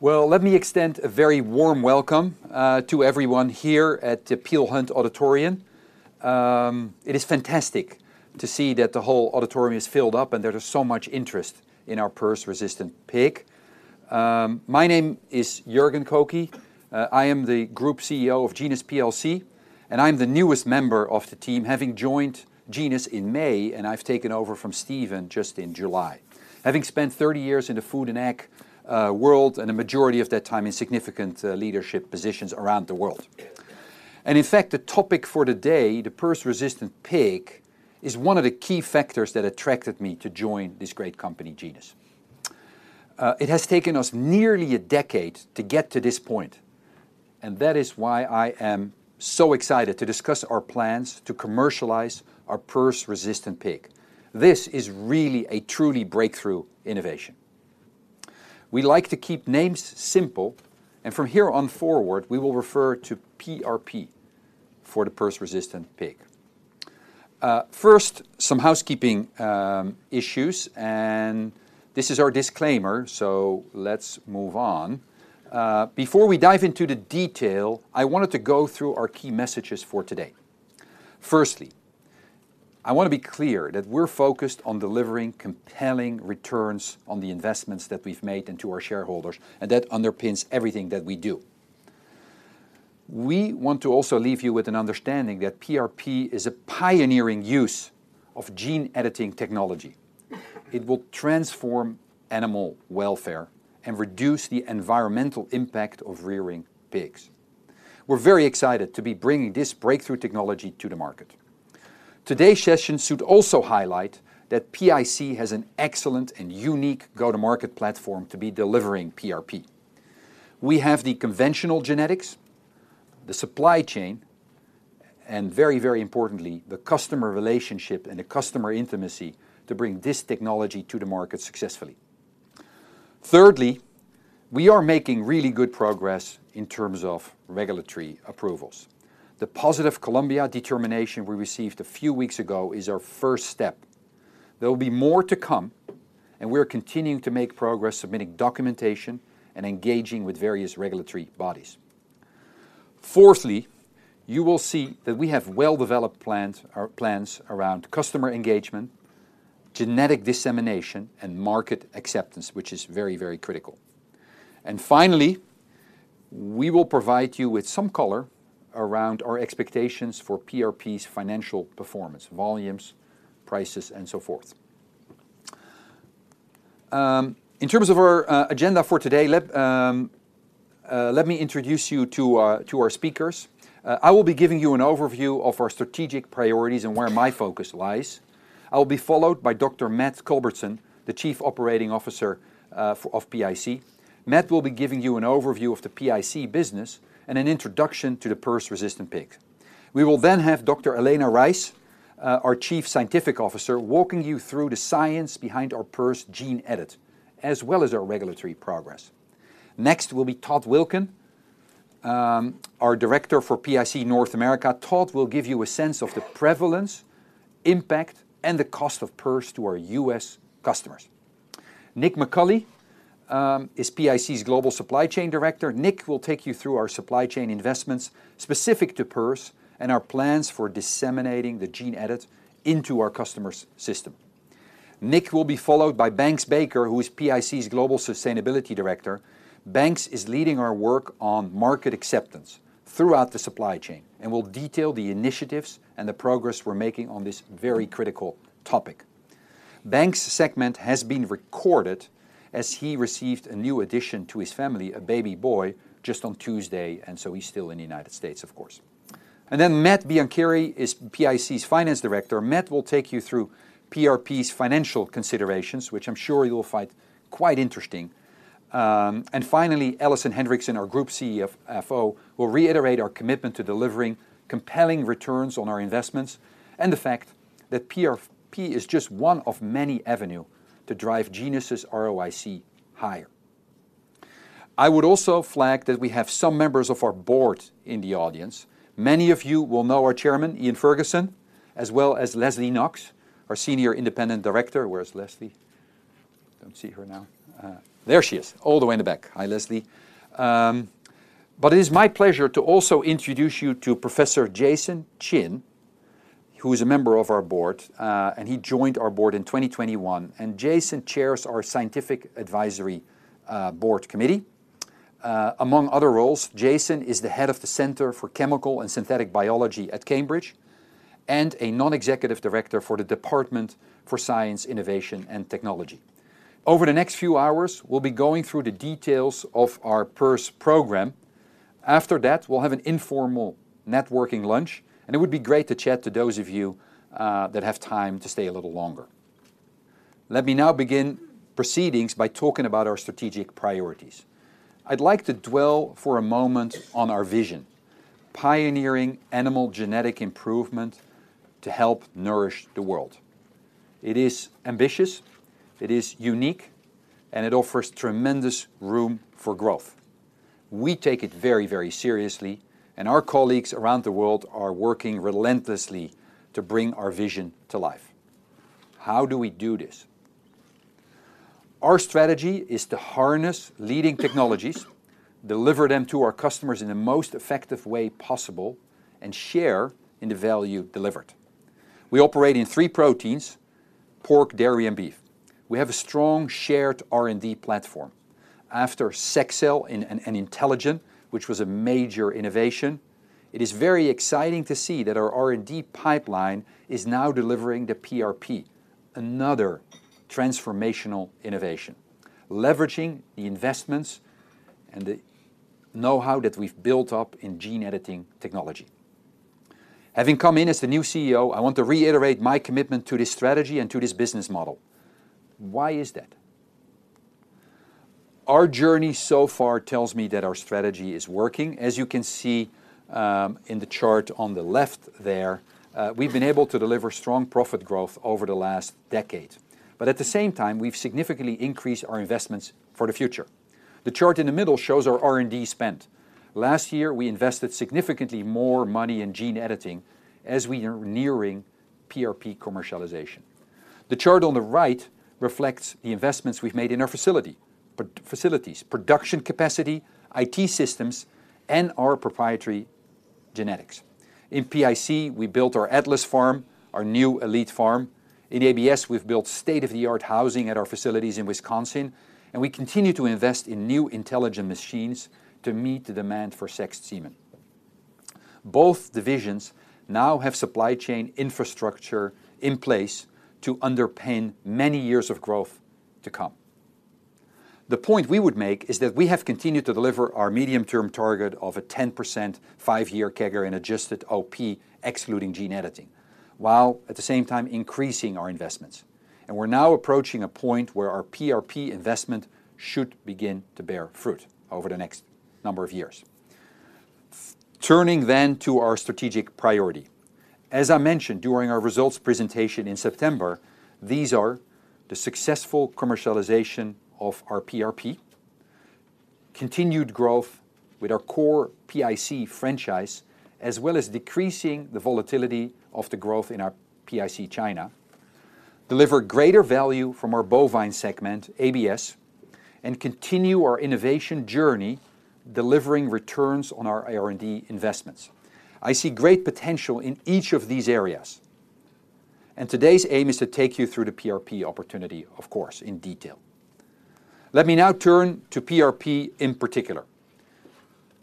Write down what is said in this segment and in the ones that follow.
Well, let me extend a very warm welcome to everyone here at the Peel Hunt Auditorium. It is fantastic to see that the whole auditorium is filled up, and there is so much interest in our PRRS-resistant pig. My name is Jorgen Kokke. I am the group CEO of Genus plc, and I'm the newest member of the team, having joined Genus in May, and I've taken over from Steven just in July, having spent 30 years in the food and ag world, and a majority of that time in significant leadership positions around the world. And in fact, the topic for today, the PRRS-resistant pig, is one of the key factors that attracted me to join this great company, Genus. It has taken us nearly a decade to get to this point, and that is why I am so excited to discuss our plans to commercialize our PRRS-resistant pig. This is really a truly breakthrough innovation. We like to keep names simple, and from here on forward, we will refer to PRP for the PRRS-resistant pig. First, some housekeeping issues, and this is our disclaimer, so let's move on. Before we dive into the detail, I wanted to go through our key messages for today. Firstly, I wanna be clear that we're focused on delivering compelling returns on the investments that we've made and to our shareholders, and that underpins everything that we do. We want to also leave you with an understanding that PRP is a pioneering use of gene-editing technology. It will transform animal welfare and reduce the environmental impact of rearing pigs. We're very excited to be bringing this breakthrough technology to the market. Today's session should also highlight that PIC has an excellent and unique go-to-market platform to be delivering PRP. We have the conventional genetics, the supply chain, and very, very importantly, the customer relationship and the customer intimacy to bring this technology to the market successfully. Thirdly, we are making really good progress in terms of regulatory approvals. The positive Colombia determination we received a few weeks ago is our first step. There will be more to come, and we are continuing to make progress submitting documentation and engaging with various regulatory bodies. Fourthly, you will see that we have well-developed plans, or plans around customer engagement, genetic dissemination, and market acceptance, which is very, very critical. And finally, we will provide you with some color around our expectations for PRP's financial performance: volumes, prices, and so forth. In terms of our agenda for today, let me introduce you to our speakers. I will be giving you an overview of our strategic priorities and where my focus lies. I will be followed by Dr. Matt Culbertson, the Chief Operating Officer of PIC. Matt will be giving you an overview of the PIC business and an introduction to the PRRS-resistant pig. We will then have Dr. Elena Rice, our Chief Scientific Officer, walking you through the science behind our PRRS gene edit, as well as our regulatory progress. Next will be Todd Wilken, our Director for PIC North America. Todd will give you a sense of the prevalence, impact, and the cost of PRRS to our U.S. customers. Nick McCulley is PIC's Global Supply Chain Director. Nick will take you through our supply chain investments specific to PRRS and our plans for disseminating the gene edit into our customers' system. Nick will be followed by Banks Baker, who is PIC's global sustainability director. Banks is leading our work on market acceptance throughout the supply chain and will detail the initiatives and the progress we're making on this very critical topic. Banks' segment has been recorded, as he received a new addition to his family, a baby boy, just on Tuesday, and so he's still in the United States, of course. Then Matt Biancheri is PIC's finance director. Matt will take you through PRP's financial considerations, which I'm sure you will find quite interesting. And finally, Alison Henriksen, our Group CFO, will reiterate our commitment to delivering compelling returns on our investments and the fact that PRP is just one of many avenue to drive Genus's ROIC higher. I would also flag that we have some members of our board in the audience. Many of you will know our Chairman, Iain Ferguson, as well as Lesley Knox, our Senior Independent Director. Where's Lesley? Don't see her now. There she is, all the way in the back. Hi, Lesley. But it is my pleasure to also introduce you to Professor Jason Chin, who is a member of our board, and he joined our board in 2021, and Jason chairs our scientific advisory board committee. Among other roles, Jason is the head of the Centre for Chemical and Synthetic Biology at Cambridge and a non-executive director for the Department for Science, Innovation, and Technology. Over the next few hours, we'll be going through the details of our PRRS program. After that, we'll have an informal networking lunch, and it would be great to chat to those of you that have time to stay a little longer. Let me now begin proceedings by talking about our strategic priorities. I'd like to dwell for a moment on our vision: pioneering animal genetic improvement to help nourish the world. It is ambitious, it is unique, and it offers tremendous room for growth. We take it very, very seriously, and our colleagues around the world are working relentlessly to bring our vision to life.... How do we do this? Our strategy is to harness leading technologies, deliver them to our customers in the most effective way possible, and share in the value delivered. We operate in three proteins: pork, dairy, and beef. We have a strong shared R&D platform. After Sexcel and IntelliGen, which was a major innovation, it is very exciting to see that our R&D pipeline is now delivering the PRP, another transformational innovation, leveraging the investments and the know-how that we've built up in gene editing technology. Having come in as the new CEO, I want to reiterate my commitment to this strategy and to this business model. Why is that? Our journey so far tells me that our strategy is working. As you can see, in the chart on the left there, we've been able to deliver strong profit growth over the last decade, but at the same time, we've significantly increased our investments for the future. The chart in the middle shows our R&D spend. Last year, we invested significantly more money in gene editing as we are nearing PRP commercialization. The chart on the right reflects the investments we've made in our facilities, production capacity, IT systems, and our proprietary genetics. In PIC, we built our Atlas farm, our new elite farm. In ABS, we've built state-of-the-art housing at our facilities in Wisconsin, and we continue to invest in new intelligent machines to meet the demand for sexed semen. Both divisions now have supply chain infrastructure in place to underpin many years of growth to come. The point we would make is that we have continued to deliver our medium-term target of a 10%, five-year CAGR and adjusted OP, excluding gene editing, while at the same time, increasing our investments. And we're now approaching a point where our PRP investment should begin to bear fruit over the next number of years. Turning then to our strategic priority. As I mentioned during our results presentation in September, these are the successful commercialization of our PRP, continued growth with our core PIC franchise, as well as decreasing the volatility of the growth in our PIC China, deliver greater value from our bovine segment, ABS, and continue our innovation journey, delivering returns on our R&D investments. I see great potential in each of these areas, and today's aim is to take you through the PRP opportunity, of course, in detail. Let me now turn to PRP in particular.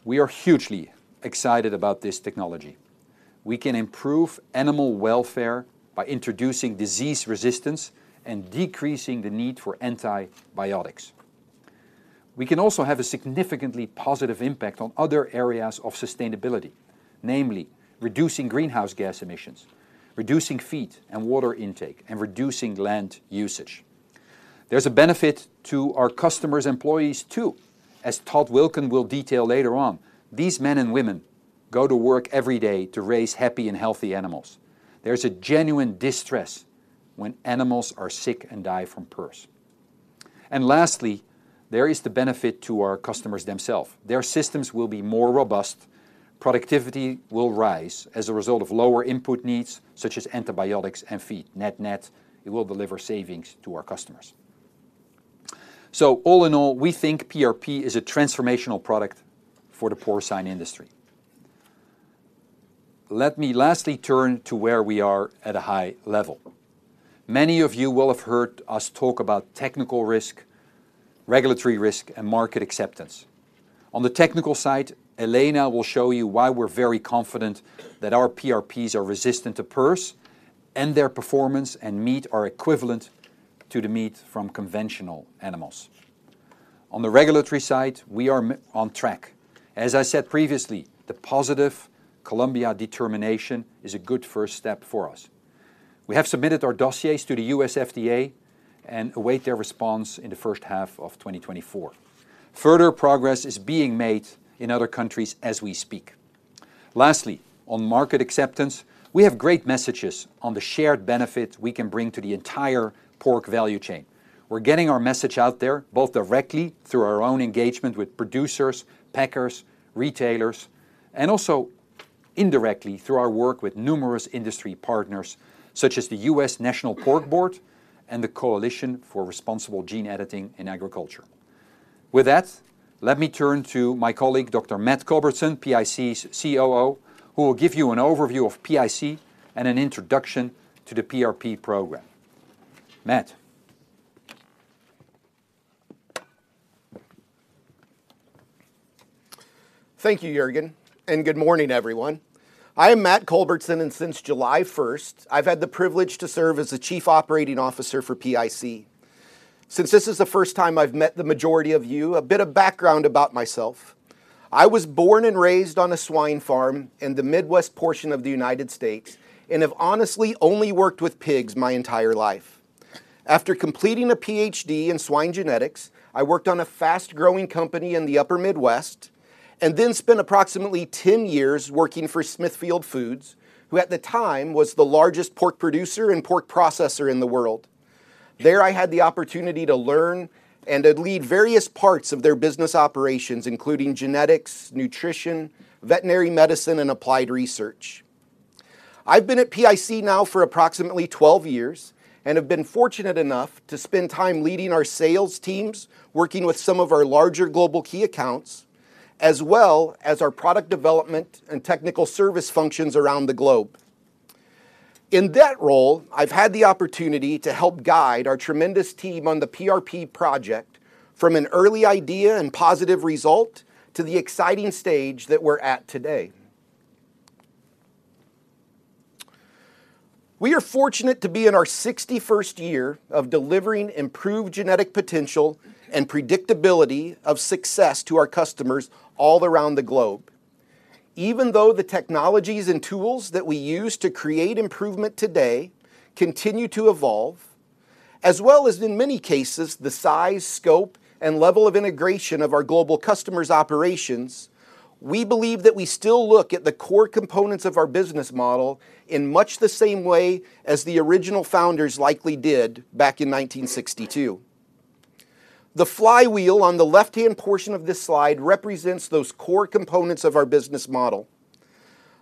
We are hugely excited about this technology. We can improve animal welfare by introducing disease resistance and decreasing the need for antibiotics. We can also have a significantly positive impact on other areas of sustainability, namely reducing greenhouse gas emissions, reducing feed and water intake, and reducing land usage. There's a benefit to our customers' employees, too. As Todd Wilken will detail later on, these men and women go to work every day to raise happy and healthy animals. There's a genuine distress when animals are sick and die from PRRS. And lastly, there is the benefit to our customers themselves. Their systems will be more robust, productivity will rise as a result of lower input needs, such as antibiotics and feed. Net-net, it will deliver savings to our customers. So all in all, we think PRP is a transformational product for the porcine industry. Let me lastly turn to where we are at a high level. Many of you will have heard us talk about technical risk, regulatory risk, and market acceptance. On the technical side, Elena will show you why we're very confident that our PRPs are resistant to PRRS, and their performance and meat are equivalent to the meat from conventional animals. On the regulatory side, we are on track. As I said previously, the positive Colombia determination is a good first step for us. We have submitted our dossiers to the U.S. FDA and await their response in the first half of 2024. Further progress is being made in other countries as we speak. Lastly, on market acceptance, we have great messages on the shared benefits we can bring to the entire pork value chain. We're getting our message out there, both directly through our own engagement with producers, packers, retailers, and also indirectly through our work with numerous industry partners, such as the U.S. National Pork Board and the Coalition for Responsible Gene Editing in Agriculture. With that, let me turn to my colleague, Dr. Matt Culbertson, PIC's COO, who will give you an overview of PIC and an introduction to the PRP program. Matt? Thank you, Jorgen, and good morning, everyone. I am Matt Culbertson, and since July first, I've had the privilege to serve as the Chief Operating Officer for PIC. Since this is the first time I've met the majority of you, a bit of background about myself. I was born and raised on a swine farm in the Midwest portion of the United States and have honestly only worked with pigs my entire life. After completing a PhD in swine genetics, I worked on a fast-growing company in the upper Midwest, and then spent approximately 10 years working for Smithfield Foods, who at the time, was the largest pork producer and pork processor in the world.... There I had the opportunity to learn and to lead various parts of their business operations, including genetics, nutrition, veterinary medicine, and applied research. I've been at PIC now for approximately 12 years, and have been fortunate enough to spend time leading our sales teams, working with some of our larger global key accounts, as well as our product development and technical service functions around the globe. In that role, I've had the opportunity to help guide our tremendous team on the PRP project from an early idea and positive result to the exciting stage that we're at today. We are fortunate to be in our 61st year of delivering improved genetic potential and predictability of success to our customers all around the globe. Even though the technologies and tools that we use to create improvement today continue to evolve, as well as in many cases, the size, scope, and level of integration of our global customers' operations, we believe that we still look at the core components of our business model in much the same way as the original founders likely did back in 1962. The flywheel on the left-hand portion of this slide represents those core components of our business model.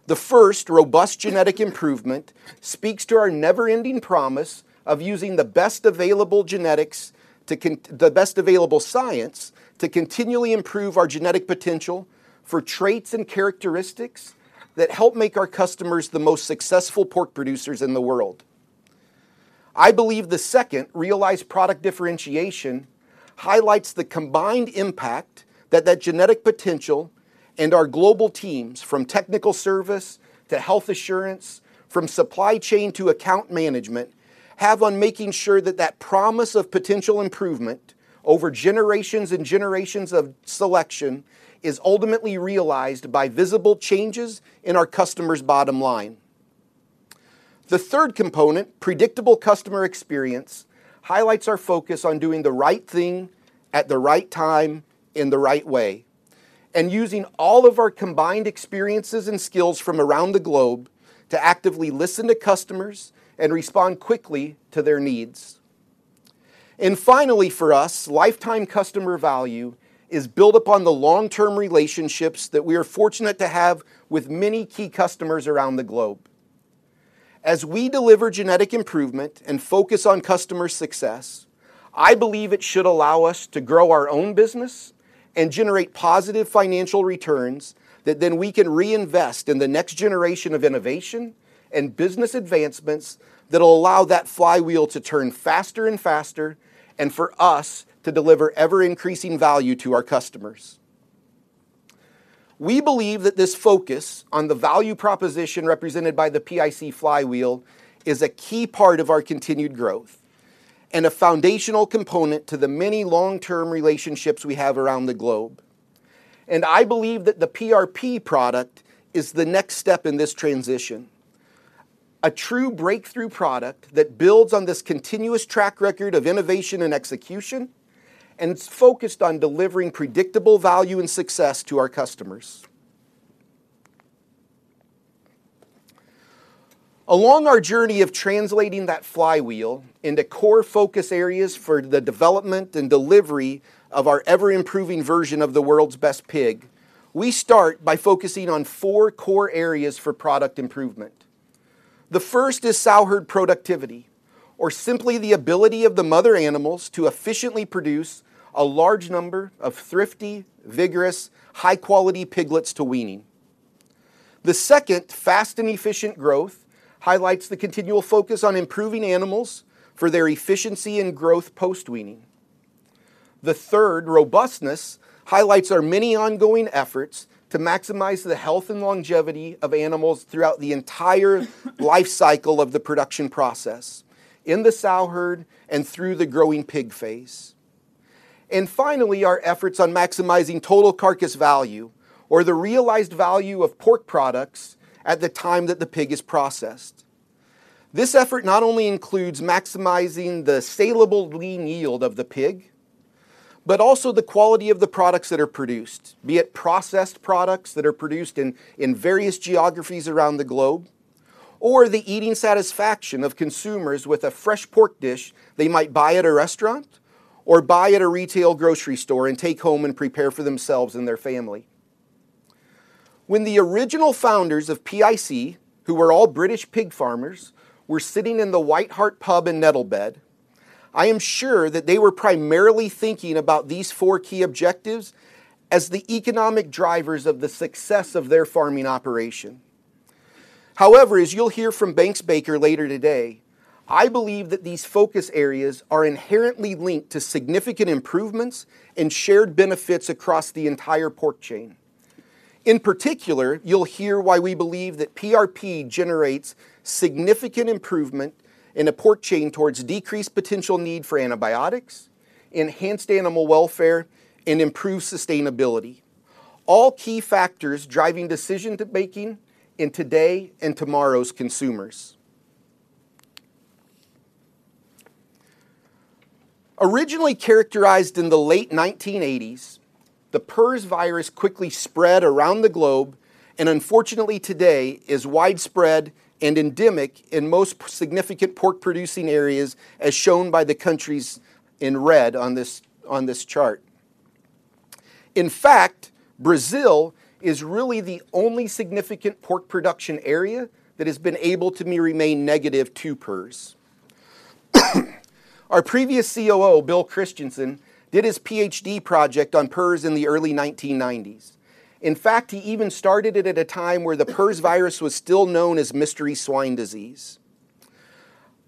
The first, robust genetic improvement, speaks to our never-ending promise of using the best available genetics and the best available science to continually improve our genetic potential for traits and characteristics that help make our customers the most successful pork producers in the world. I believe the second, realized product differentiation, highlights the combined impact that that genetic potential and our global teams, from technical service to health assurance, from supply chain to account management, have on making sure that that promise of potential improvement over generations and generations of selection is ultimately realized by visible changes in our customers' bottom line. The third component, predictable customer experience, highlights our focus on doing the right thing at the right time in the right way, and using all of our combined experiences and skills from around the globe to actively listen to customers and respond quickly to their needs. And finally, for us, lifetime customer value is built upon the long-term relationships that we are fortunate to have with many key customers around the globe. As we deliver genetic improvement and focus on customer success, I believe it should allow us to grow our own business and generate positive financial returns that then we can reinvest in the next generation of innovation and business advancements that will allow that flywheel to turn faster and faster, and for us to deliver ever-increasing value to our customers. We believe that this focus on the value proposition represented by the PIC flywheel is a key part of our continued growth and a foundational component to the many long-term relationships we have around the globe. I believe that the PRP product is the next step in this transition, a true breakthrough product that builds on this continuous track record of innovation and execution, and it's focused on delivering predictable value and success to our customers. Along our journey of translating that flywheel into core focus areas for the development and delivery of our ever-improving version of the world's best pig, we start by focusing on four core areas for product improvement. The first is sow herd productivity, or simply the ability of the mother animals to efficiently produce a large number of thrifty, vigorous, high-quality piglets to weaning. The second, fast and efficient growth, highlights the continual focus on improving animals for their efficiency and growth post-weaning. The third, robustness, highlights our many ongoing efforts to maximize the health and longevity of animals throughout the entire life cycle of the production process, in the sow herd and through the growing pig phase. And finally, our efforts on maximizing total carcass value, or the realized value of pork products at the time that the pig is processed. This effort not only includes maximizing the saleable lean yield of the pig, but also the quality of the products that are produced, be it processed products that are produced in various geographies around the globe, or the eating satisfaction of consumers with a fresh pork dish they might buy at a restaurant or buy at a retail grocery store and take home and prepare for themselves and their family. When the original founders of PIC, who were all British pig farmers, were sitting in the White Hart Pub in Nettlebed, I am sure that they were primarily thinking about these four key objectives as the economic drivers of the success of their farming operation. However, as you'll hear from Banks Baker later today, I believe that these focus areas are inherently linked to significant improvements and shared benefits across the entire pork chain. In particular, you'll hear why we believe that PRP generates significant improvement in the pork chain towards decreased potential need for antibiotics, enhanced animal welfare, and improved sustainability, all key factors driving decision to making in today and tomorrow's consumers... Originally characterized in the late 1980s, the PRRS virus quickly spread around the globe, and unfortunately today is widespread and endemic in most significant pork-producing areas, as shown by the countries in red on this chart. In fact, Brazil is really the only significant pork production area that has been able to remain negative to PRRS. Our previous COO, Bill Christianson, did his PhD project on PRRS in the early 1990s. In fact, he even started it at a time where the PRRS virus was still known as mystery swine disease.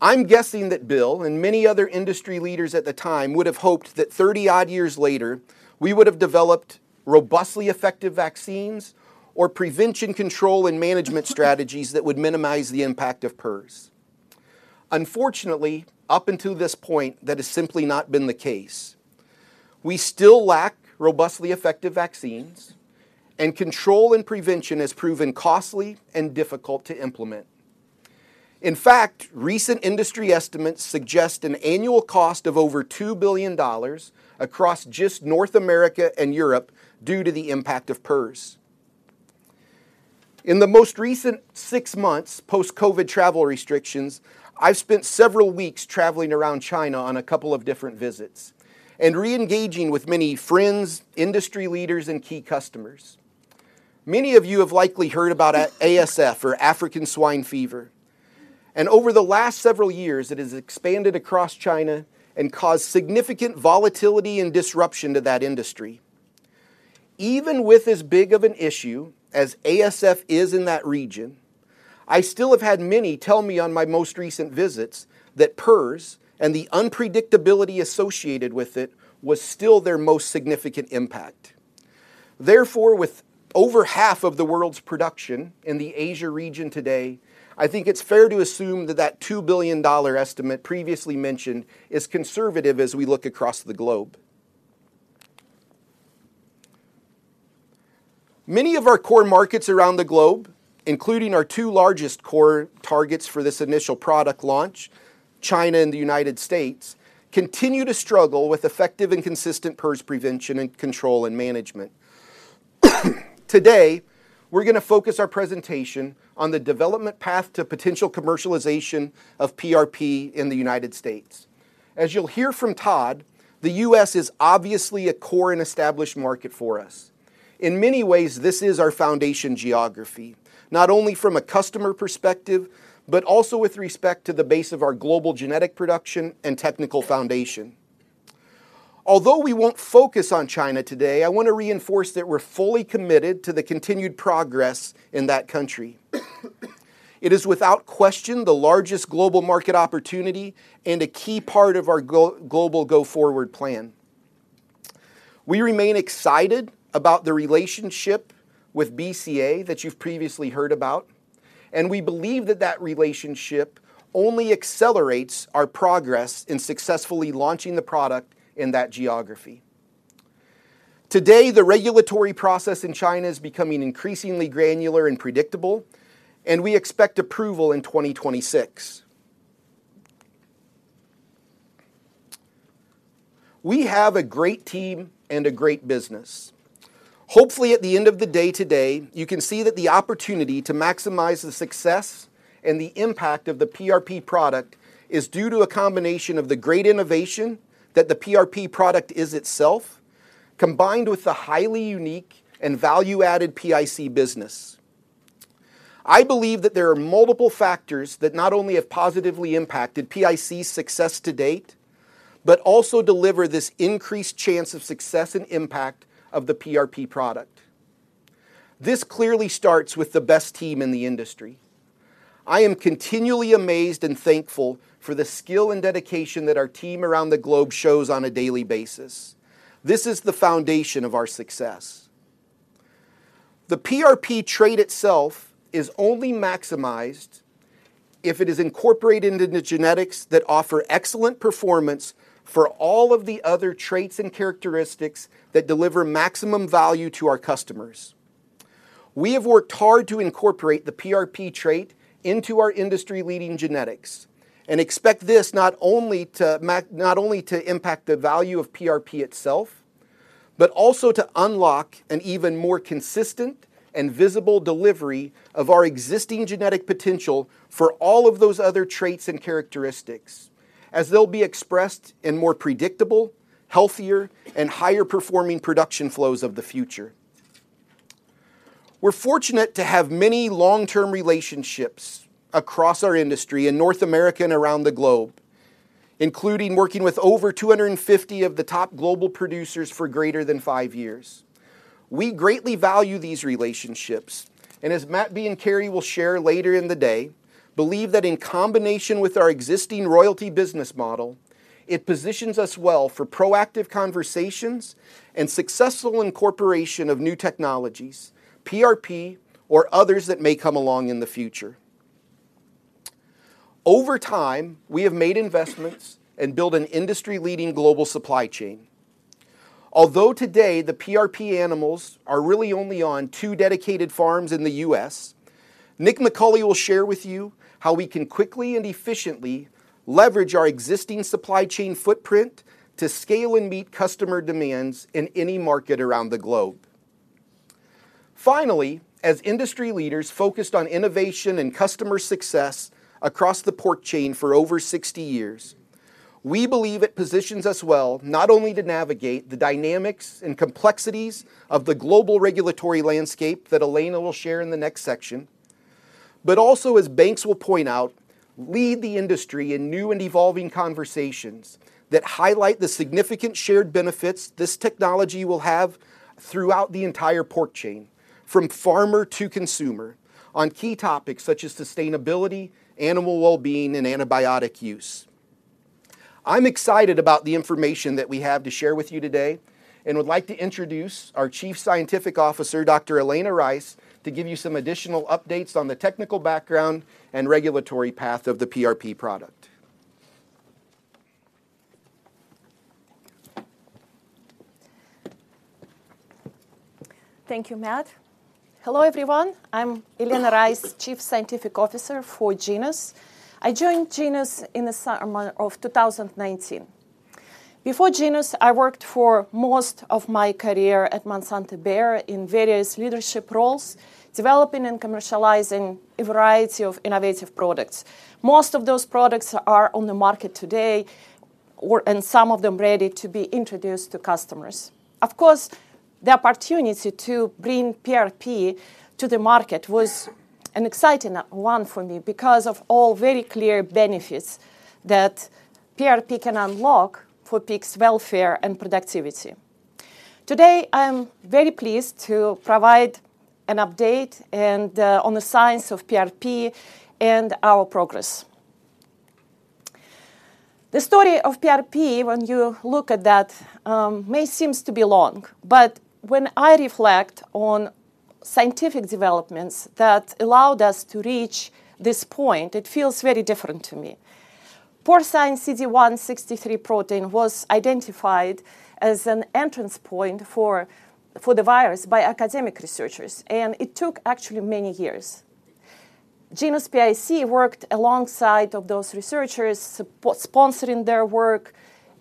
I'm guessing that Bill, and many other industry leaders at the time, would have hoped that 30-odd years later, we would have developed robustly effective vaccines or prevention, control, and management strategies that would minimize the impact of PRRS. Unfortunately, up until this point, that has simply not been the case. We still lack robustly effective vaccines, and control and prevention has proven costly and difficult to implement. In fact, recent industry estimates suggest an annual cost of over $2 billion across just North America and Europe due to the impact of PRRS. In the most recent 6 months, post-COVID travel restrictions, I've spent several weeks traveling around China on a couple of different visits and re-engaging with many friends, industry leaders, and key customers. Many of you have likely heard about ASF, or African Swine Fever, and over the last several years, it has expanded across China and caused significant volatility and disruption to that industry. Even with as big of an issue as ASF is in that region, I still have had many tell me on my most recent visits that PRRS, and the unpredictability associated with it, was still their most significant impact. Therefore, with over half of the world's production in the Asia region today, I think it's fair to assume that that $2 billion estimate previously mentioned is conservative as we look across the globe. Many of our core markets around the globe, including our two largest core targets for this initial product launch, China and the United States, continue to struggle with effective and consistent PRRS prevention, and control, and management. Today, we're gonna focus our presentation on the development path to potential commercialization of PRP in the United States. As you'll hear from Todd, the U.S. is obviously a core and established market for us. In many ways, this is our foundation geography, not only from a customer perspective, but also with respect to the base of our global genetic production and technical foundation. Although we won't focus on China today, I want to reinforce that we're fully committed to the continued progress in that country. It is, without question, the largest global market opportunity and a key part of our go-global go-forward plan. We remain excited about the relationship with BCA that you've previously heard about, and we believe that that relationship only accelerates our progress in successfully launching the product in that geography. Today, the regulatory process in China is becoming increasingly granular and predictable, and we expect approval in 2026. We have a great team and a great business. Hopefully, at the end of the day today, you can see that the opportunity to maximize the success and the impact of the PRP product is due to a combination of the great innovation that the PRP product is itself, combined with the highly unique and value-added PIC business. I believe that there are multiple factors that not only have positively impacted PIC's success to date, but also deliver this increased chance of success and impact of the PRP product. This clearly starts with the best team in the industry. I am continually amazed and thankful for the skill and dedication that our team around the globe shows on a daily basis. This is the foundation of our success. The PRP trait itself is only maximized if it is incorporated into the genetics that offer excellent performance for all of the other traits and characteristics that deliver maximum value to our customers. We have worked hard to incorporate the PRP trait into our industry-leading genetics, and expect this not only to impact the value of PRP itself, but also to unlock an even more consistent and visible delivery of our existing genetic potential for all of those other traits and characteristics, as they'll be expressed in more predictable, healthier, and higher-performing production flows of the future. We're fortunate to have many long-term relationships across our industry in North America and around the globe, including working with over 250 of the top global producers for greater than five years. We greatly value these relationships, and as Matt Biancheri will share later in the day, believe that in combination with our existing royalty business model, it positions us well for proactive conversations and successful incorporation of new technologies, PRP or others that may come along in the future. Over time, we have made investments and built an industry-leading global supply chain.... Although today the PRP animals are really only on two dedicated farms in the U.S., Nick McCulley will share with you how we can quickly and efficiently leverage our existing supply chain footprint to scale and meet customer demands in any market around the globe. Finally, as industry leaders focused on innovation and customer success across the pork chain for over 60 years, we believe it positions us well, not only to navigate the dynamics and complexities of the global regulatory landscape that Elena will share in the next section, but also, as Banks will point out, lead the industry in new and evolving conversations that highlight the significant shared benefits this technology will have throughout the entire pork chain, from farmer to consumer, on key topics such as sustainability, animal well-being, and antibiotic use. I'm excited about the information that we have to share with you today, and would like to introduce our Chief Scientific Officer, Dr. Elena Rice, to give you some additional updates on the technical background and regulatory path of the PRP product. Thank you, Matt. Hello, everyone. I'm Elena Rice, Chief Scientific Officer for Genus. I joined Genus in the summer of 2019. Before Genus, I worked for most of my career at Monsanto Bayer in various leadership roles, developing and commercializing a variety of innovative products. Most of those products are on the market today, and some of them ready to be introduced to customers. Of course, the opportunity to bring PRP to the market was an exciting one for me because of all very clear benefits that PRP can unlock for pigs' welfare and productivity. Today, I am very pleased to provide an update and on the science of PRP and our progress. The story of PRP, when you look at that, may seem to be long, but when I reflect on scientific developments that allowed us to reach this point, it feels very different to me. Porcine CD163 protein was identified as an entrance point for the virus by academic researchers, and it took actually many years. Genus PIC worked alongside those researchers, sponsoring their work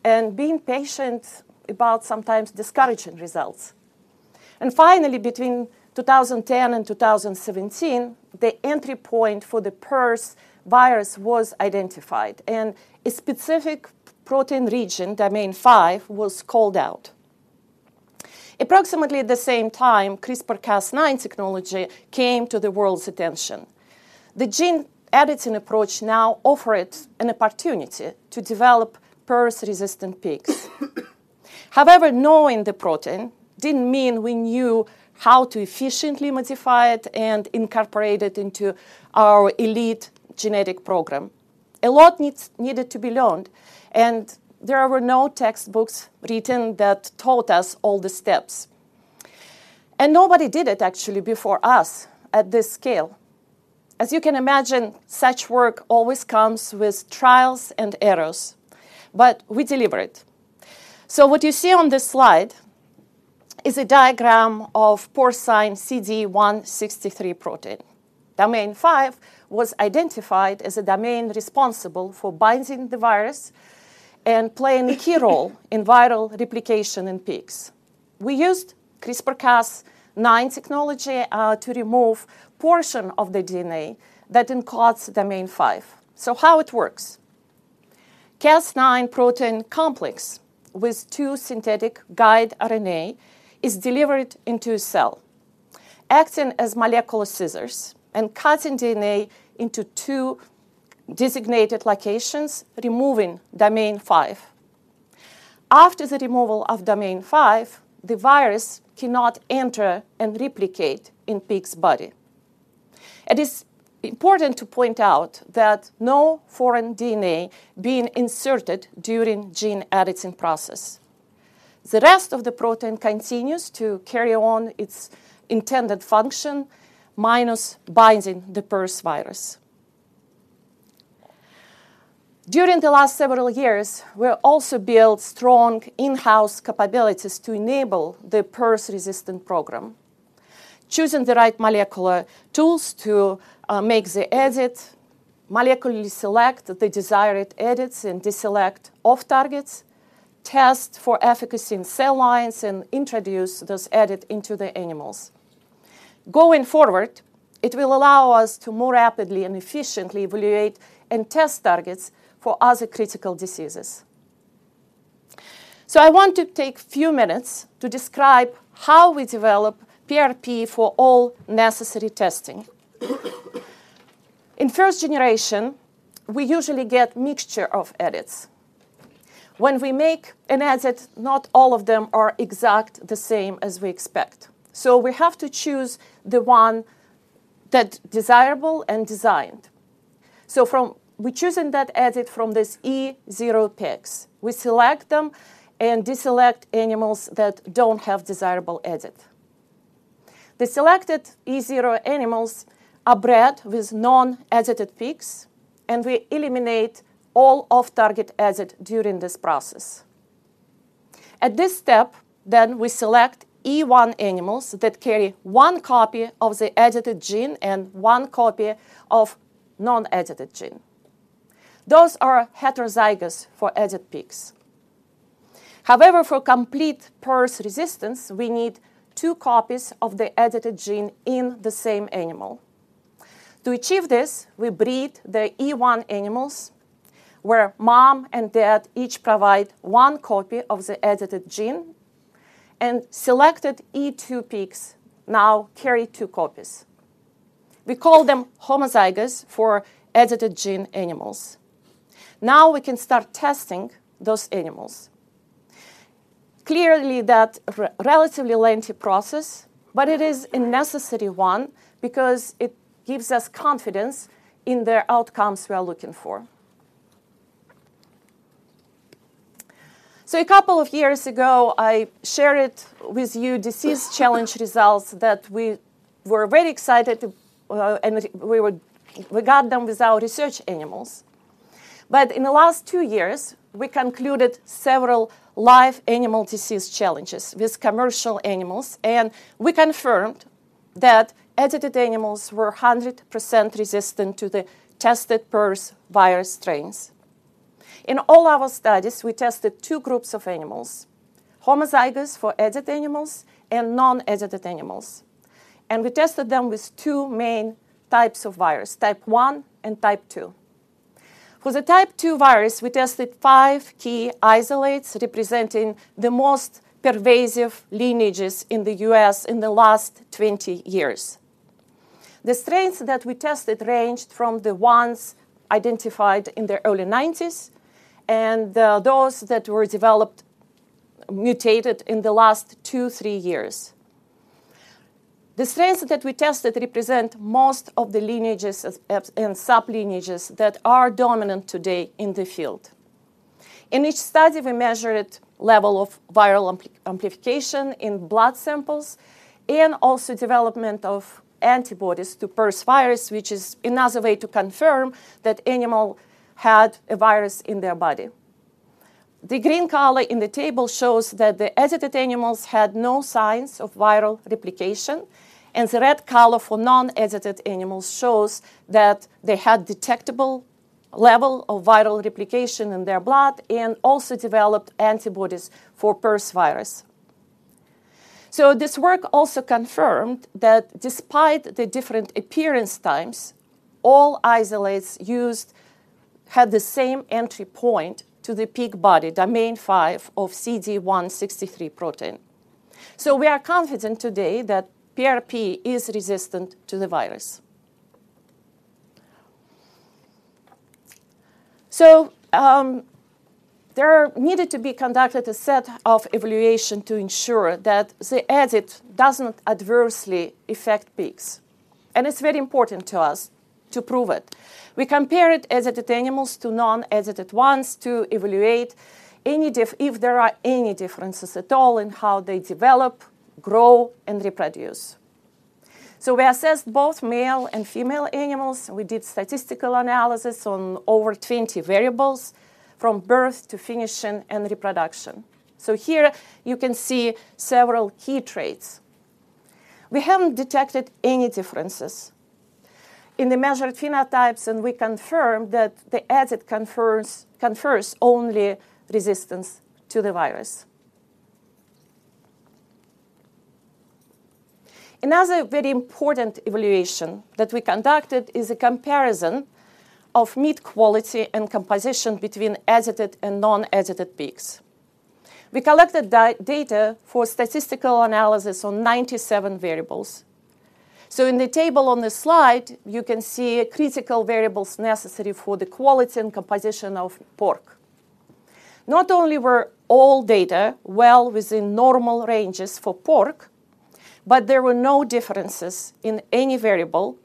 and being patient about sometimes discouraging results. Finally, between 2010 and 2017, the entry point for the PRRS virus was identified, and a specific protein region, Domain Five, was called out. Approximately at the same time, CRISPR-Cas9 technology came to the world's attention. The gene editing approach now offered an opportunity to develop PRRS-resistant pigs. However, knowing the protein didn't mean we knew how to efficiently modify it and incorporate it into our elite genetic program. A lot needed to be learned, and there were no textbooks written that taught us all the steps. Nobody did it actually before us at this scale. As you can imagine, such work always comes with trials and errors, but we deliver it. What you see on this slide is a diagram of porcine CD163 protein. Domain Five was identified as a domain responsible for binding the virus and playing a key role in viral replication in pigs. We used CRISPR-Cas9 technology to remove portion of the DNA that encodes Domain Five. How it works? Cas9 protein complex with two synthetic guide RNA is delivered into a cell, acting as molecular scissors and cutting DNA into two designated locations, removing Domain Five. After the removal of Domain Five, the virus cannot enter and replicate in pig's body. It is important to point out that no foreign DNA being inserted during gene editing process. The rest of the protein continues to carry on its intended function, minus binding the PRRS virus. During the last several years, we have also built strong in-house capabilities to enable the PRRS-resistant program, choosing the right molecular tools to make the edit, molecularly select the desired edits and deselect off targets, test for efficacy in cell lines, and introduce those edits into the animals. Going forward, it will allow us to more rapidly and efficiently evaluate and test targets for other critical diseases. I want to take a few minutes to describe how we develop PRP for all necessary testing. In first generation, we usually get mixture of edits. When we make an edit, not all of them are exactly the same as we expect. So we have to choose the one that is desirable and designed. So we're choosing that edit from these E0 pigs. We select them and deselect animals that don't have desirable edit. The selected E0 animals are bred with non-edited pigs, and we eliminate all off-target edit during this process. At this step, we select E1 animals that carry one copy of the edited gene and one copy of non-edited gene. Those are heterozygous for edit pigs. However, for complete PRRS resistance, we need two copies of the edited gene in the same animal. To achieve this, we breed the E1 animals, where mom and dad each provide one copy of the edited gene, and selected E2 pigs now carry two copies. We call them homozygous for edited gene animals. Now we can start testing those animals. Clearly, that's a relatively lengthy process, but it is a necessary one because it gives us confidence in the outcomes we are looking for. So a couple of years ago, I shared with you disease challenge results that we were very excited to, and we would-- we got them with our research animals. But in the last two years, we concluded several live animal disease challenges with commercial animals, and we confirmed that edited animals were 100% resistant to the tested PRRS virus strains. In all our studies, we tested two groups of animals, homozygous for edited animals and non-edited animals, and we tested them with two main types of virus, type one and type two. For the type two virus, we tested five key isolates representing the most pervasive lineages in the U.S. in the last 20 years. The strains that we tested ranged from the ones identified in the early 1990s and those that were developed, mutated in the last 2, 3 years. The strains that we tested represent most of the lineages as and sublineages that are dominant today in the field. In each study, we measured level of viral amplification in blood samples and also development of antibodies to PRRS virus, which is another way to confirm that animal had a virus in their body. The green color in the table shows that the edited animals had no signs of viral replication, and the red color for non-edited animals shows that they had detectable level of viral replication in their blood and also developed antibodies for PRRS virus. So this work also confirmed that despite the different appearance times, all isolates used had the same entry point to the pig body, Domain Five of CD163 protein. We are confident today that PRP is resistant to the virus. There are needed to be conducted a set of evaluation to ensure that the edit does not adversely affect pigs, and it's very important to us to prove it. We compared edited animals to non-edited ones to evaluate if there are any differences at all in how they develop, grow, and reproduce. We assessed both male and female animals. We did statistical analysis on over 20 variables, from birth to finishing and reproduction. Here you can see several key traits. We haven't detected any differences in the measured phenotypes, and we confirm that the edit confers, confers only resistance to the virus. Another very important evaluation that we conducted is a comparison of meat quality and composition between edited and non-edited pigs. We collected data for statistical analysis on 97 variables. So in the table on this slide, you can see critical variables necessary for the quality and composition of pork. Not only were all data well within normal ranges for pork, but there were no differences in any variable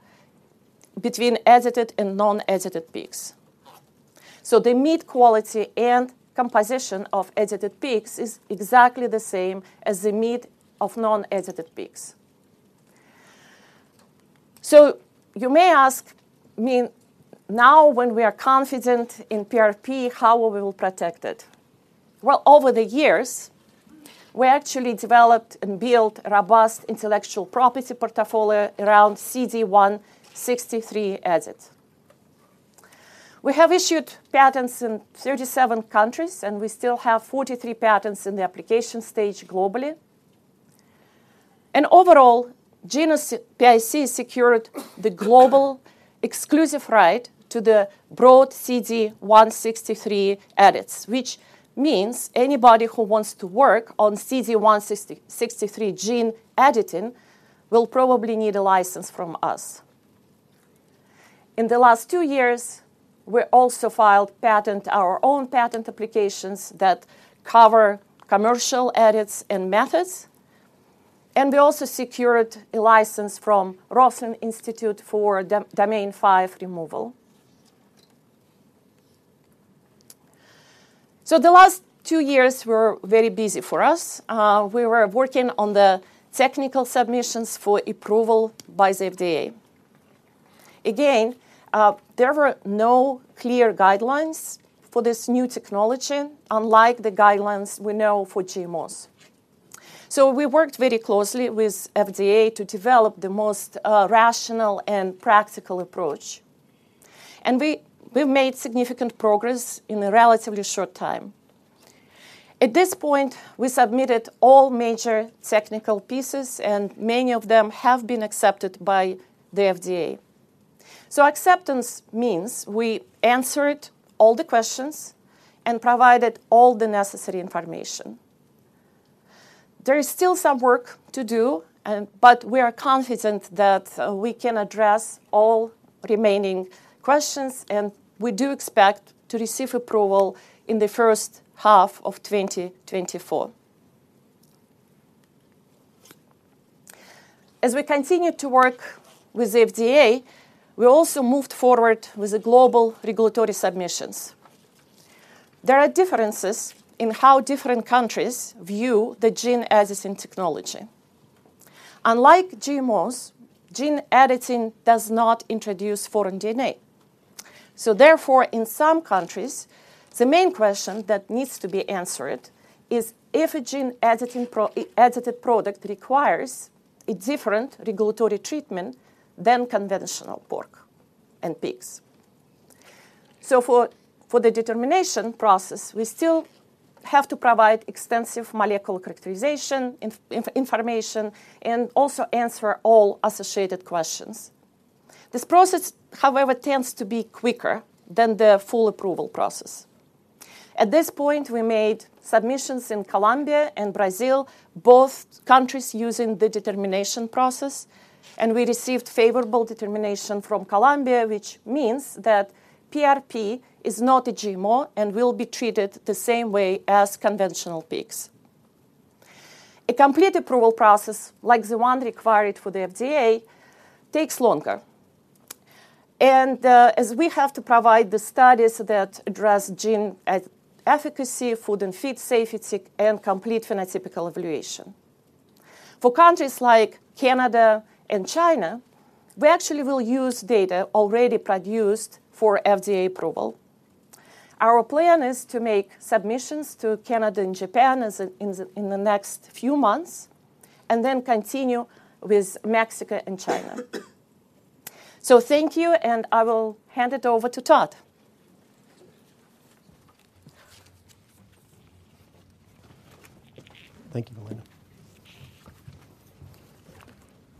between edited and non-edited pigs. So the meat quality and composition of edited pigs is exactly the same as the meat of non-edited pigs. So you may ask me, now, when we are confident in PRP, how we will protect it? Well, over the years, we actually developed and built a robust intellectual property portfolio around CD163 edits. We have issued patents in 37 countries, and we still have 43 patents in the application stage globally. Overall, Genus plc secured the global exclusive right to the broad CD163 edits, which means anybody who wants to work on CD163 gene editing will probably need a license from us. In the last two years, we also filed patent, our own patent applications that cover commercial edits and methods, and we also secured a license from Roslin Institute for domain five removal. The last two years were very busy for us. We were working on the technical submissions for approval by the FDA. Again, there were no clear guidelines for this new technology, unlike the guidelines we know for GMOs. We worked very closely with FDA to develop the most rational and practical approach, and we, we've made significant progress in a relatively short time. At this point, we submitted all major technical pieces, and many of them have been accepted by the FDA. So acceptance means we answered all the questions and provided all the necessary information. There is still some work to do, but we are confident that we can address all remaining questions, and we do expect to receive approval in the first half of 2024. As we continue to work with the FDA, we also moved forward with the global regulatory submissions. There are differences in how different countries view the gene editing technology. Unlike GMOs, gene editing does not introduce foreign DNA. So therefore, in some countries, the main question that needs to be answered is if a gene edited product requires a different regulatory treatment than conventional pork and pigs. So for the determination process, we still have to provide extensive molecular characterization, information, and also answer all associated questions. This process, however, tends to be quicker than the full approval process. At this point, we made submissions in Colombia and Brazil, both countries using the determination process, and we received favorable determination from Colombia, which means that PRP is not a GMO and will be treated the same way as conventional pigs. A complete approval process, like the one required for the FDA, takes longer, and as we have to provide the studies that address gene at efficacy, food and feed safety, and complete phenotypical evaluation. For countries like Canada and China, we actually will use data already produced for FDA approval. Our plan is to make submissions to Canada and Japan in the next few months, and then continue with Mexico and China. So thank you, and I will hand it over to Todd. Thank you, Elena.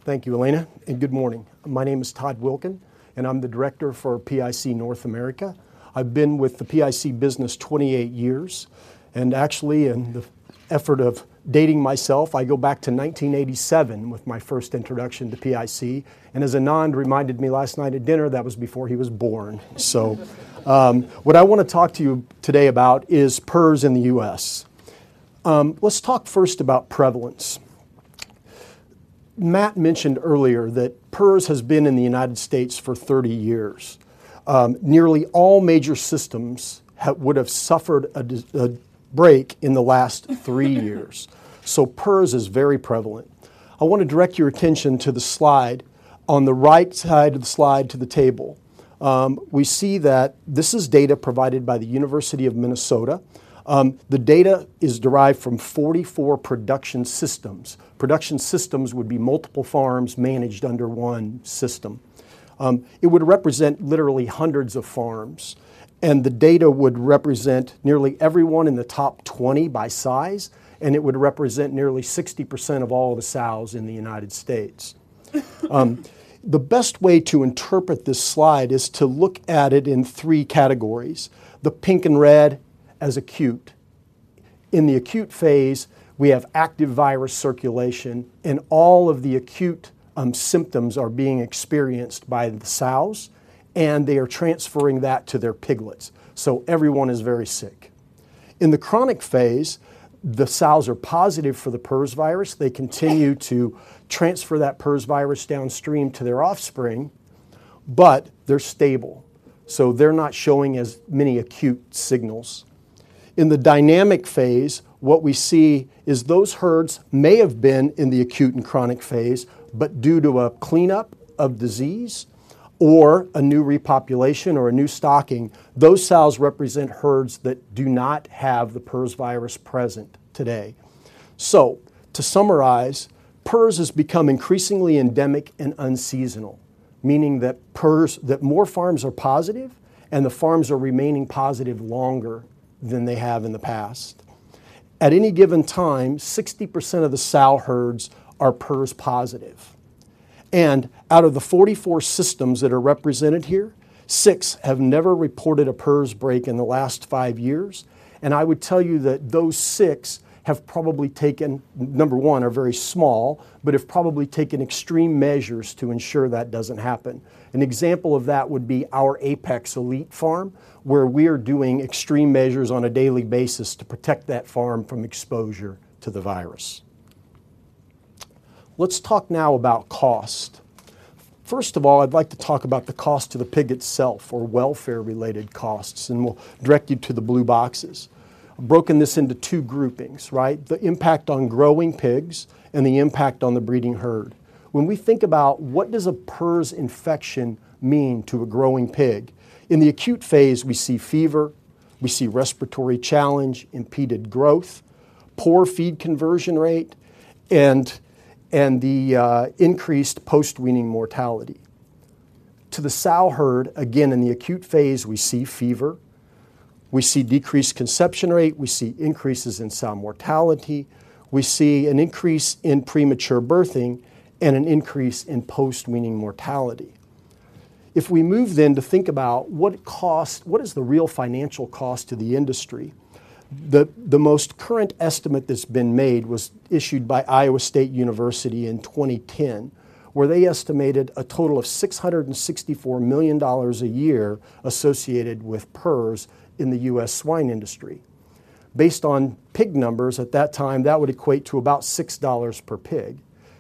Thank you, Elena, and good morning. My name is Todd Wilken, and I'm the director for PIC North America. I've been with the PIC business 28 years, and actually, in the effort of dating myself, I go back to 1987 with my first introduction to PIC, and as Anand reminded me last night at dinner, that was before he was born. So, what I want to talk to you today about is PRRS in the U.S. Let's talk first about prevalence. Matt mentioned earlier that PRRS has been in the United States for 30 years. Nearly all major systems would have suffered a break in the last 3 years. So PRRS is very prevalent. I want to direct your attention to the slide on the right side of the slide to the table. We see that this is data provided by the University of Minnesota. The data is derived from 44 production systems. Production systems would be multiple farms managed under one system. It would represent literally hundreds of farms, and the data would represent nearly everyone in the Top 20 by size, and it would represent nearly 60% of all the sows in the United States. The best way to interpret this slide is to look at it in 3 categories: the pink and red as acute. In the acute phase, we have active virus circulation, and all of the acute symptoms are being experienced by the sows, and they are transferring that to their piglets, so everyone is very sick. In the chronic phase, the sows are positive for the PRRS virus. They continue to transfer that PRRS virus downstream to their offspring, but they're stable, so they're not showing as many acute signals. In the dynamic phase, what we see is those herds may have been in the acute and chronic phase, but due to a cleanup of disease or a new repopulation or a new stocking, those sows represent herds that do not have the PRRS virus present today. So to summarize, PRRS has become increasingly endemic and unseasonal, meaning that PRRS, that more farms are positive and the farms are remaining positive longer than they have in the past. At any given time, 60% of the sow herds are PRRS positive, and out of the 44 systems that are represented here, six have never reported a PRRS break in the last five years. I would tell you that those six have probably taken... Number one, are very small, but have probably taken extreme measures to ensure that doesn't happen. An example of that would be our Apex Elite farm, where we are doing extreme measures on a daily basis to protect that farm from exposure to the virus. Let's talk now about cost. First of all, I'd like to talk about the cost to the pig itself or welfare-related costs, and we'll direct you to the blue boxes. I've broken this into two groupings, right? The impact on growing pigs and the impact on the breeding herd. When we think about what does a PRRS infection mean to a growing pig, in the acute phase, we see fever, we see respiratory challenge, impeded growth, poor feed conversion rate, and, and the, increased post-weaning mortality. To the sow herd, again, in the acute phase, we see fever, we see decreased conception rate, we see increases in sow mortality, we see an increase in premature birthing and an increase in post-weaning mortality. If we move then to think about what cost, what is the real financial cost to the industry? The most current estimate that's been made was issued by Iowa State University in 2010, where they estimated a total of $664 million a year associated with PRRS in the U.S. swine industry. Based on pig numbers at that time, that would equate to about $6 per pig.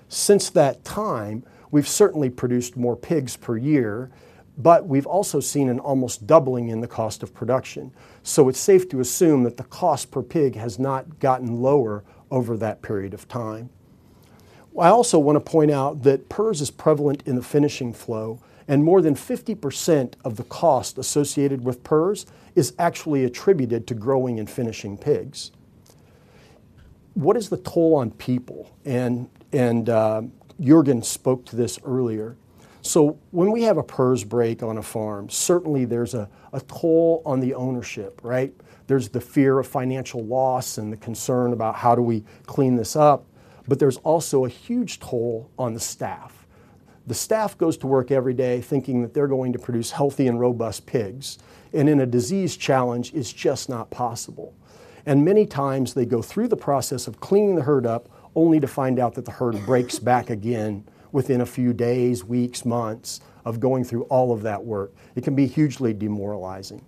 Since that time, we've certainly produced more pigs per year, but we've also seen an almost doubling in the cost of production. So it's safe to assume that the cost per pig has not gotten lower over that period of time. I also want to point out that PRRS is prevalent in the finishing flow, and more than 50% of the cost associated with PRRS is actually attributed to growing and finishing pigs. What is the toll on people? And Jorgen spoke to this earlier. So when we have a PRRS break on a farm, certainly there's a toll on the ownership, right? There's the fear of financial loss and the concern about how do we clean this up, but there's also a huge toll on the staff. The staff goes to work every day thinking that they're going to produce healthy and robust pigs, and in a disease challenge, it's just not possible. Many times they go through the process of cleaning the herd up, only to find out that the herd breaks back again within a few days, weeks, months of going through all of that work. It can be hugely demoralizing.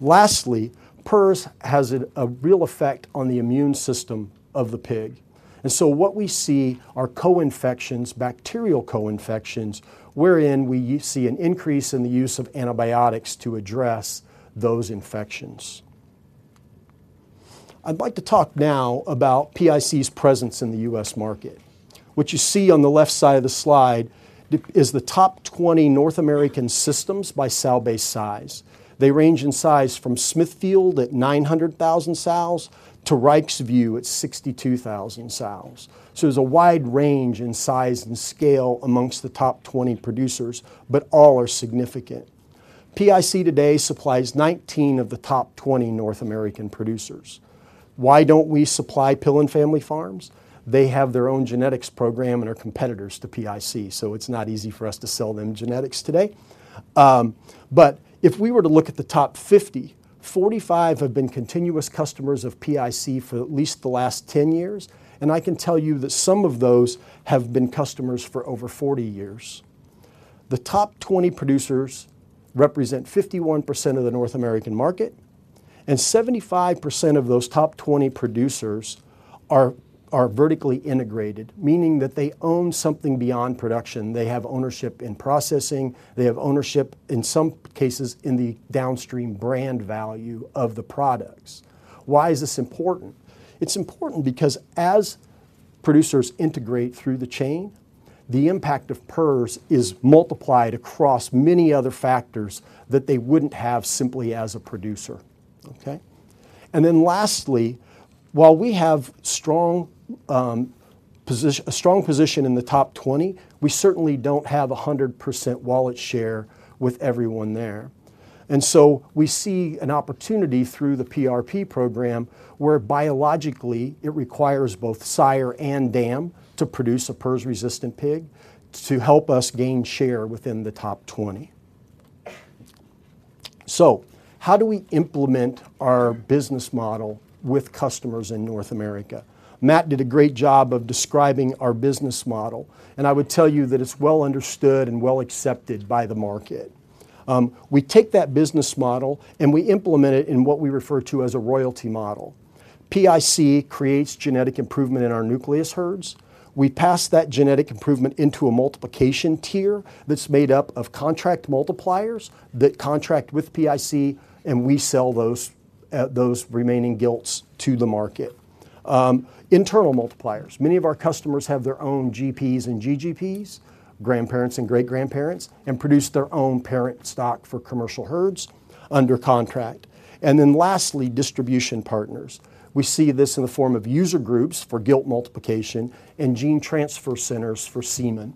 Lastly, PRRS has a real effect on the immune system of the pig, and so what we see are co-infections, bacterial co-infections, wherein we see an increase in the use of antibiotics to address those infections. I'd like to talk now about PIC's presence in the U.S. market. What you see on the left side of the slide is the Top 20 North American systems by sow-based size. They range in size from Smithfield at 900,000 sows to Reicks View at 62,000 sows. So there's a wide range in size and scale amongst the Top 20 producers, but all are significant. PIC today supplies 19 of the Top 20 North American producers. Why don't we supply Pillen Family Farms? They have their own genetics program and are competitors to PIC, so it's not easy for us to sell them genetics today. But if we were to look at the Top 50, 45 have been continuous customers of PIC for at least the last 10 years, and I can tell you that some of those have been customers for over 40 years. The Top 20 producers represent 51% of the North American market, and 75% of those Top 20 producers are vertically integrated, meaning that they own something beyond production. They have ownership in processing. They have ownership, in some cases, in the downstream brand value of the products. Why is this important? It's important because as producers integrate through the chain, the impact of PRRS is multiplied across many other factors that they wouldn't have simply as a producer, okay? And then lastly, while we have a strong position in the Top 20, we certainly don't have a 100% wallet share with everyone there. And so we see an opportunity through the PRP program, where biologically, it requires both sire and dam to produce a PRRS-resistant pig to help us gain share within the Top 20. So how do we implement our business model with customers in North America? Matt did a great job of describing our business model, and I would tell you that it's well understood and well accepted by the market. We take that business model, and we implement it in what we refer to as a royalty model. PIC creates genetic improvement in our nucleus herds. We pass that genetic improvement into a multiplication tier that's made up of contract multipliers that contract with PIC, and we sell those, those remaining gilts to the market. Internal multipliers. Many of our customers have their own GPs and GGPs, grandparents and great-grandparents, and produce their own parent stock for commercial herds under contract. And then lastly, distribution partners. We see this in the form of user groups for gilt multiplication and gene transfer centers for semen.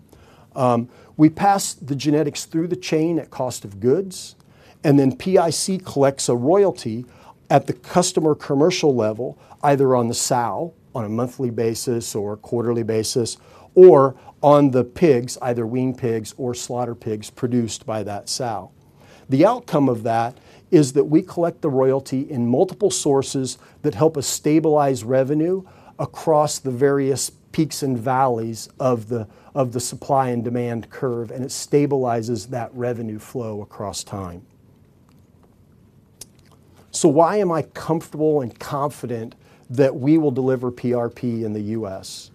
We pass the genetics through the chain at cost of goods, and then PIC collects a royalty at the customer commercial level, either on the sow on a monthly basis or a quarterly basis, or on the pigs, either weaned pigs or slaughter pigs produced by that sow. The outcome of that is that we collect the royalty in multiple sources that help us stabilize revenue across the various peaks and valleys of the supply and demand curve, and it stabilizes that revenue flow across time... So why am I comfortable and confident that we will deliver PRP in the U.S.?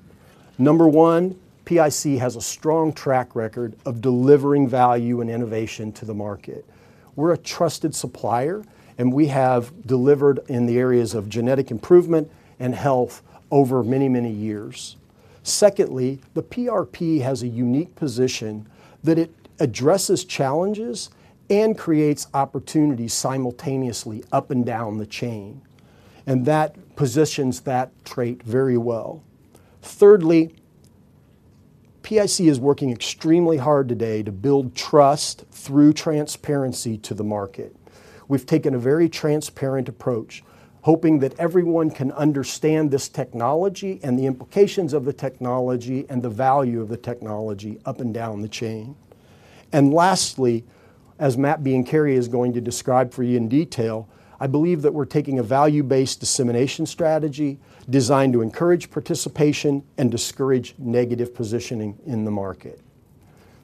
Number one, PIC has a strong track record of delivering value and innovation to the market. We're a trusted supplier, and we have delivered in the areas of genetic improvement and health over many, many years. Secondly, the PRP has a unique position that it addresses challenges and creates opportunities simultaneously up and down the chain, and that positions that trait very well. Thirdly, PIC is working extremely hard today to build trust through transparency to the market. We've taken a very transparent approach, hoping that everyone can understand this technology and the implications of the technology and the value of the technology up and down the chain. And lastly, as Matt Biancheri is going to describe for you in detail, I believe that we're taking a value-based dissemination strategy designed to encourage participation and discourage negative positioning in the market.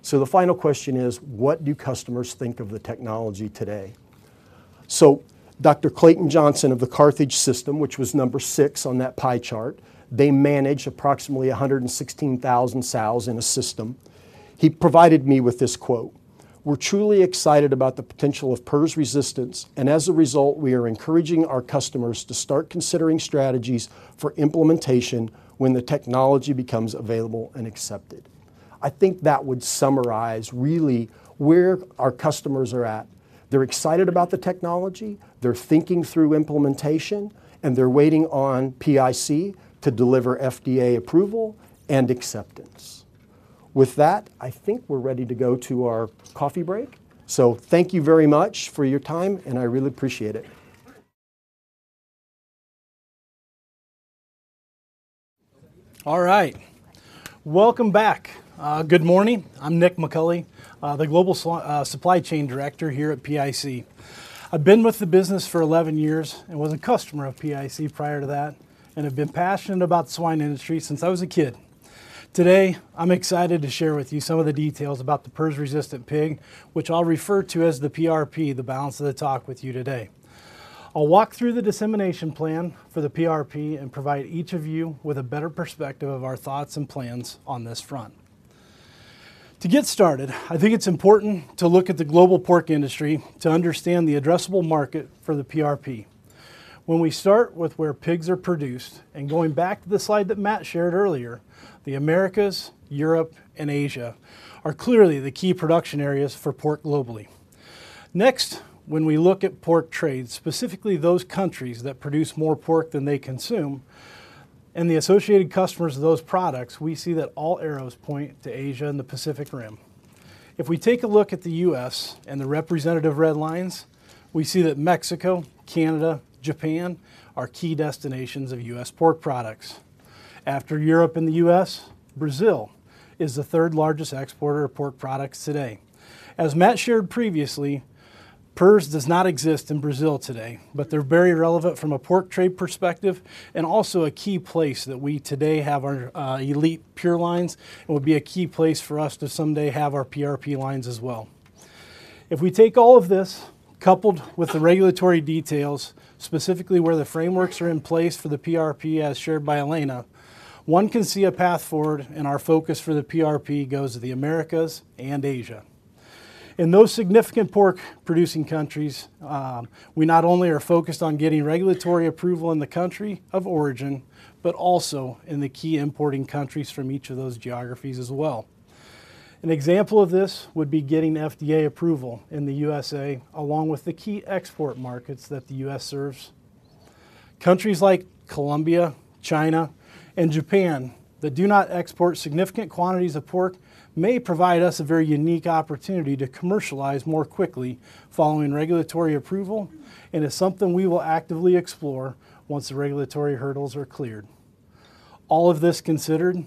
So the final question is: What do customers think of the technology today? So Dr. Clayton Johnson of the Carthage System, which was number six on that pie chart, they manage approximately 116,000 sows in a system. He provided me with this quote: "We're truly excited about the potential of PRRS resistance, and as a result, we are encouraging our customers to start considering strategies for implementation when the technology becomes available and accepted." I think that would summarize really where our customers are at. They're excited about the technology, they're thinking through implementation, and they're waiting on PIC to deliver FDA approval and acceptance. With that, I think we're ready to go to our coffee break. So thank you very much for your time, and I really appreciate it. All right. Welcome back. Good morning. I'm Nick McCulley, the Global Supply Chain Director here at PIC. I've been with the business for 11 years and was a customer of PIC prior to that, and have been passionate about the swine industry since I was a kid. Today, I'm excited to share with you some of the details about the PRRS-resistant pig, which I'll refer to as the PRP, the balance of the talk with you today. I'll walk through the dissemination plan for the PRP and provide each of you with a better perspective of our thoughts and plans on this front. To get started, I think it's important to look at the global pork industry to understand the addressable market for the PRP. When we start with where pigs are produced, and going back to the slide that Matt shared earlier, the Americas, Europe, and Asia are clearly the key production areas for pork globally. Next, when we look at pork trade, specifically those countries that produce more pork than they consume, and the associated customers of those products, we see that all arrows point to Asia and the Pacific Rim. If we take a look at the U.S. and the representative red lines, we see that Mexico, Canada, Japan are key destinations of U.S. pork products. After Europe and the U.S., Brazil is the third largest exporter of pork products today. As Matt shared previously, PRRS does not exist in Brazil today, but they're very relevant from a pork trade perspective and also a key place that we today have our elite pure lines and would be a key place for us to someday have our PRP lines as well. If we take all of this, coupled with the regulatory details, specifically where the frameworks are in place for the PRP, as shared by Elena, one can see a path forward, and our focus for the PRP goes to the Americas and Asia. In those significant pork-producing countries, we not only are focused on getting regulatory approval in the country of origin, but also in the key importing countries from each of those geographies as well. An example of this would be getting FDA approval in the U.S.A, along with the key export markets that the U.S. serves. Countries like Colombia, China, and Japan that do not export significant quantities of pork may provide us a very unique opportunity to commercialize more quickly following regulatory approval and is something we will actively explore once the regulatory hurdles are cleared. All of this considered,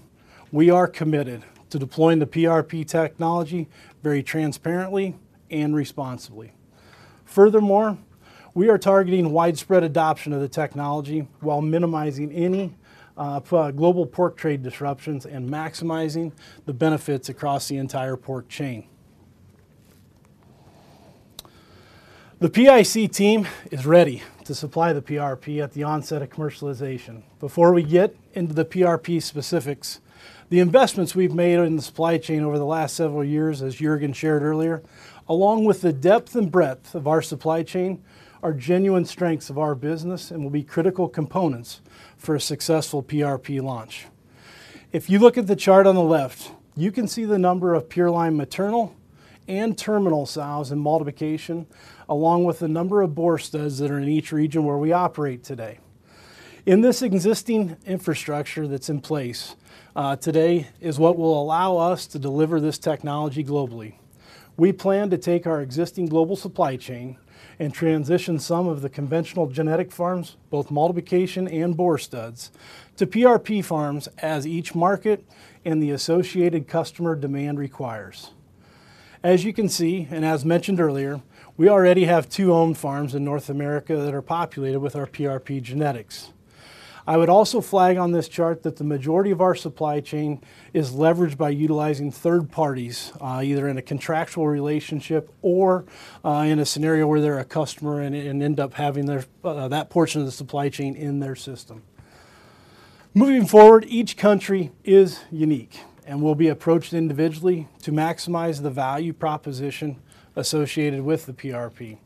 we are committed to deploying the PRP technology very transparently and responsibly. Furthermore, we are targeting widespread adoption of the technology while minimizing any, global pork trade disruptions and maximizing the benefits across the entire pork chain. The PIC team is ready to supply the PRP at the onset of commercialization. Before we get into the PRP specifics, the investments we've made in the supply chain over the last several years, as Jorgen shared earlier, along with the depth and breadth of our supply chain, are genuine strengths of our business and will be critical components for a successful PRP launch. If you look at the chart on the left, you can see the number of pureline maternal and terminal sows in multiplication, along with the number of boar studs that are in each region where we operate today. In this existing infrastructure that's in place, today, is what will allow us to deliver this technology globally. We plan to take our existing global supply chain and transition some of the conventional genetic farms, both multiplication and boar studs, to PRP farms as each market and the associated customer demand requires. As you can see, and as mentioned earlier, we already have two owned farms in North America that are populated with our PRP genetics. I would also flag on this chart that the majority of our supply chain is leveraged by utilizing third parties, either in a contractual relationship or, in a scenario where they're a customer and end up having their, that portion of the supply chain in their system. Moving forward, each country is unique and will be approached individually to maximize the value proposition associated with the PRP.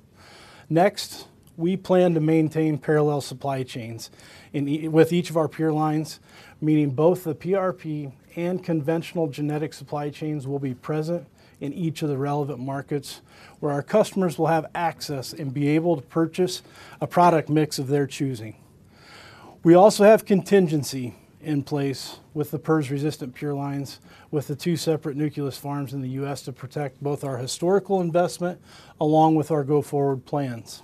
Next, we plan to maintain parallel supply chains in with each of our purelines, meaning both the PRP and conventional genetic supply chains will be present in each of the relevant markets, where our customers will have access and be able to purchase a product mix of their choosing. We also have contingency in place with the PRRS-resistant purelines, with the two separate nucleus farms in the U.S. to protect both our historical investment, along with our go-forward plans.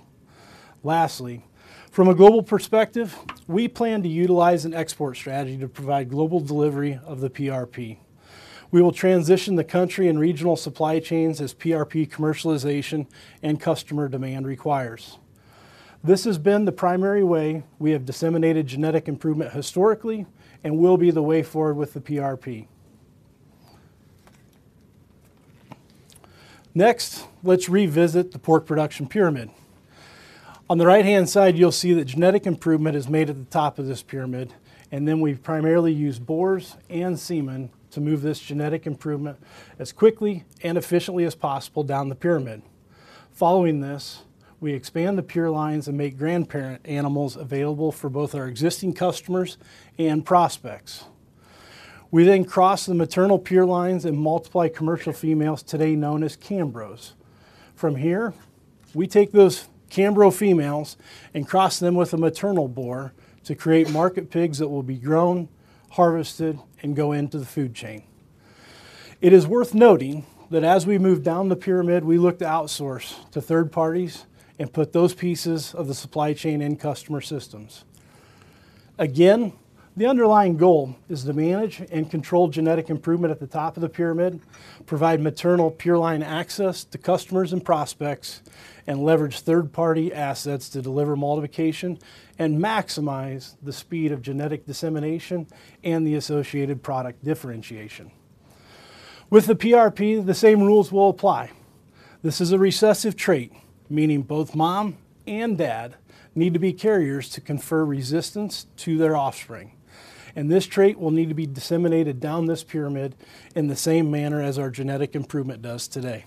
Lastly, from a global perspective, we plan to utilize an export strategy to provide global delivery of the PRP. We will transition the country and regional supply chains as PRP commercialization and customer demand requires. This has been the primary way we have disseminated genetic improvement historically and will be the way forward with the PRP. Next, let's revisit the pork production pyramid. On the right-hand side, you'll see that genetic improvement is made at the top of this pyramid, and then we've primarily used boars and semen to move this genetic improvement as quickly and efficiently as possible down the pyramid. Following this, we expand the purelines and make grandparent animals available for both our existing customers and prospects. We then cross the maternal purelines and multiply commercial females today known as Camborough. From here, we take those Camborough females and cross them with a maternal boar to create market pigs that will be grown, harvested, and go into the food chain. It is worth noting that as we move down the pyramid, we look to outsource to third parties and put those pieces of the supply chain in customer systems. Again, the underlying goal is to manage and control genetic improvement at the top of the pyramid, provide maternal pureline access to customers and prospects, and leverage third-party assets to deliver multiplication, and maximize the speed of genetic dissemination and the associated product differentiation. With the PRP, the same rules will apply. This is a recessive trait, meaning both mom and dad need to be carriers to confer resistance to their offspring, and this trait will need to be disseminated down this pyramid in the same manner as our genetic improvement does today.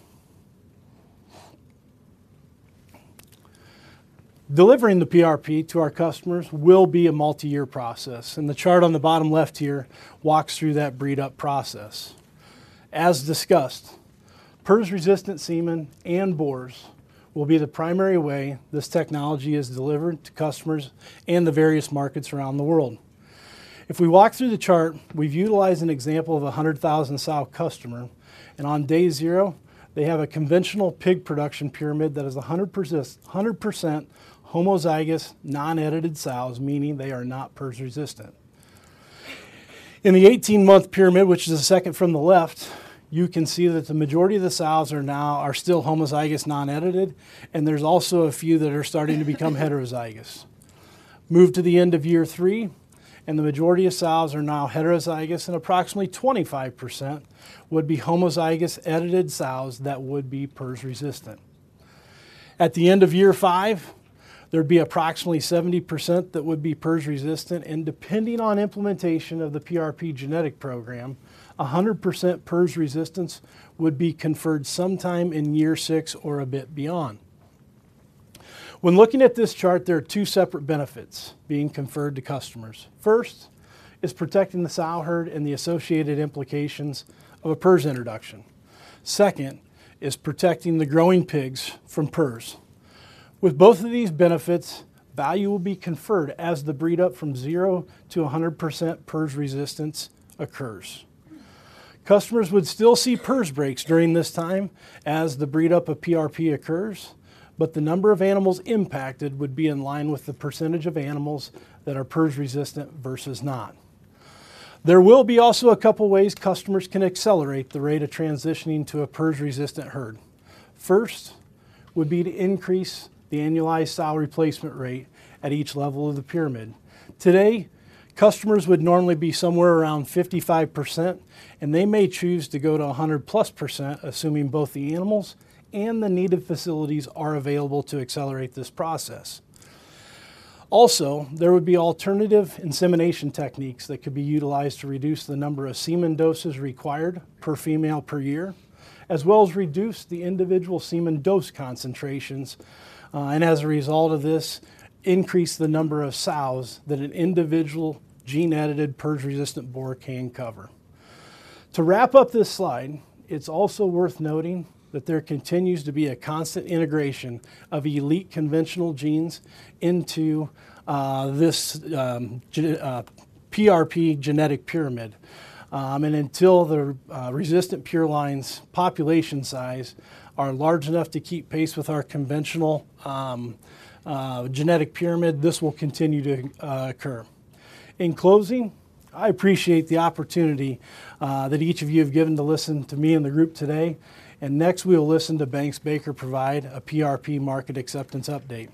Delivering the PRP to our customers will be a multi-year process, and the chart on the bottom left here walks through that breed-up process. As discussed, PRRS-resistant semen and boars will be the primary way this technology is delivered to customers and the various markets around the world. If we walk through the chart, we've utilized an example of a 100,000 sow customer, and on day zero, they have a conventional pig production pyramid that is 100% homozygous, non-edited sows, meaning they are not PRRS resistant. In the 18-month pyramid, which is the second from the left, you can see that the majority of the sows are still homozygous, non-edited, and there's also a few that are starting to become heterozygous. Move to the end of year 3, and the majority of sows are now heterozygous, and approximately 25% would be homozygous, edited sows that would be PRRS resistant. At the end of year 5, there'd be approximately 70% that would be PRRS resistant, and depending on implementation of the PRP genetic program, 100% PRRS resistance would be conferred sometime in year 6 or a bit beyond. When looking at this chart, there are two separate benefits being conferred to customers. First is protecting the sow herd and the associated implications of a PRRS introduction. Second is protecting the growing pigs from PRRS. With both of these benefits, value will be conferred as the breed up from zero to 100% PRRS resistance occurs. Customers would still see PRRS breaks during this time as the breed up of PRP occurs, but the number of animals impacted would be in line with the percentage of animals that are PRRS resistant versus not. There will be also a couple of ways customers can accelerate the rate of transitioning to a PRRS-resistant herd. First, would be to increase the annualized sow replacement rate at each level of the pyramid. Today, customers would normally be somewhere around 55%, and they may choose to go to 100%+, assuming both the animals and the needed facilities are available to accelerate this process. Also, there would be alternative insemination techniques that could be utilized to reduce the number of semen doses required per female per year, as well as reduce the individual semen dose concentrations, and as a result of this, increase the number of sows that an individual gene-edited, PRRS-resistant boar can cover. To wrap up this slide, it's also worth noting that there continues to be a constant integration of elite conventional genes into this gene PRP genetic pyramid. And until the resistant pureline's population size are large enough to keep pace with our conventional genetic pyramid, this will continue to occur. In closing, I appreciate the opportunity that each of you have given to listen to me and the group today, and next, we will listen to Banks Baker provide a PRP market acceptance update.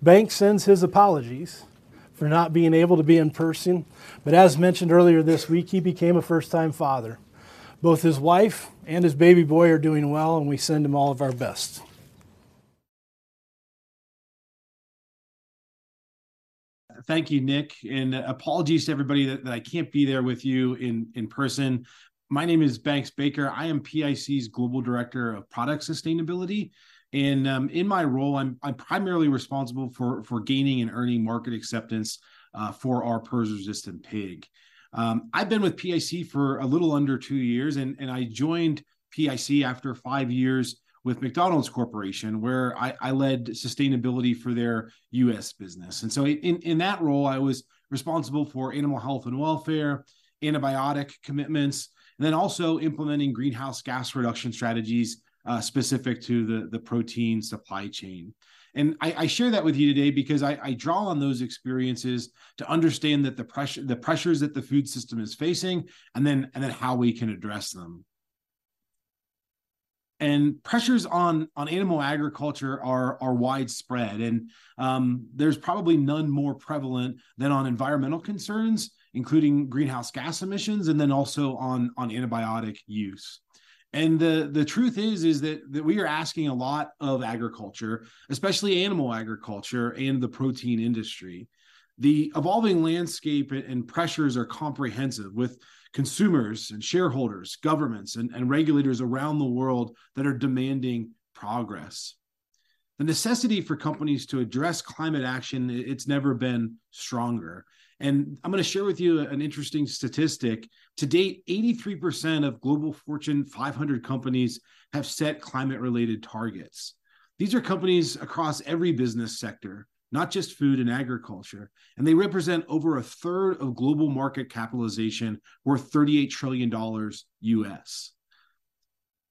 Banks sends his apologies for not being able to be in person, but as mentioned earlier this week, he became a first-time father. Both his wife and his baby boy are doing well, and we send them all of our best. Thank you, Nick, and apologies to everybody that I can't be there with you in person. My name is Banks Baker. I am PIC's Global Director of Product Sustainability, and in my role, I'm primarily responsible for gaining and earning market acceptance for our PRRS-resistant pig. I've been with PIC for a little under two years, and I joined PIC after five years with McDonald's Corporation, where I led sustainability for their U.S. business. And so in that role, I was responsible for animal health and welfare, antibiotic commitments, and then also implementing greenhouse gas reduction strategies specific to the protein supply chain. And I share that with you today because I draw on those experiences to understand the pressures that the food system is facing and then how we can address them. Pressures on animal agriculture are widespread, and there's probably none more prevalent than on environmental concerns, including greenhouse gas emissions, and then also on antibiotic use. The truth is that we are asking a lot of agriculture, especially animal agriculture and the protein industry. The evolving landscape and pressures are comprehensive, with consumers and shareholders, governments, and regulators around the world that are demanding progress. The necessity for companies to address climate action, it's never been stronger, and I'm gonna share with you an interesting statistic. To date, 83% of Fortune Global 500 companies have set climate-related targets. These are companies across every business sector, not just food and agriculture, and they represent over a third of global market capitalization, worth $38 trillion.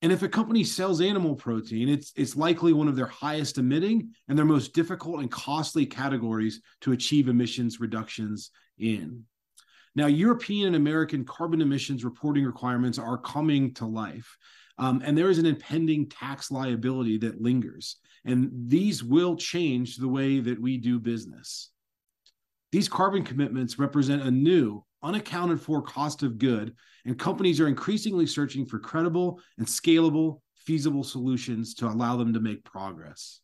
And if a company sells animal protein, it's, it's likely one of their highest-emitting and their most difficult and costly categories to achieve emissions reductions in. Now, European and American carbon emissions reporting requirements are coming to life, and there is an impending tax liability that lingers, and these will change the way that we do business. These carbon commitments represent a new, unaccounted-for cost of good, and companies are increasingly searching for credible and scalable, feasible solutions to allow them to make progress.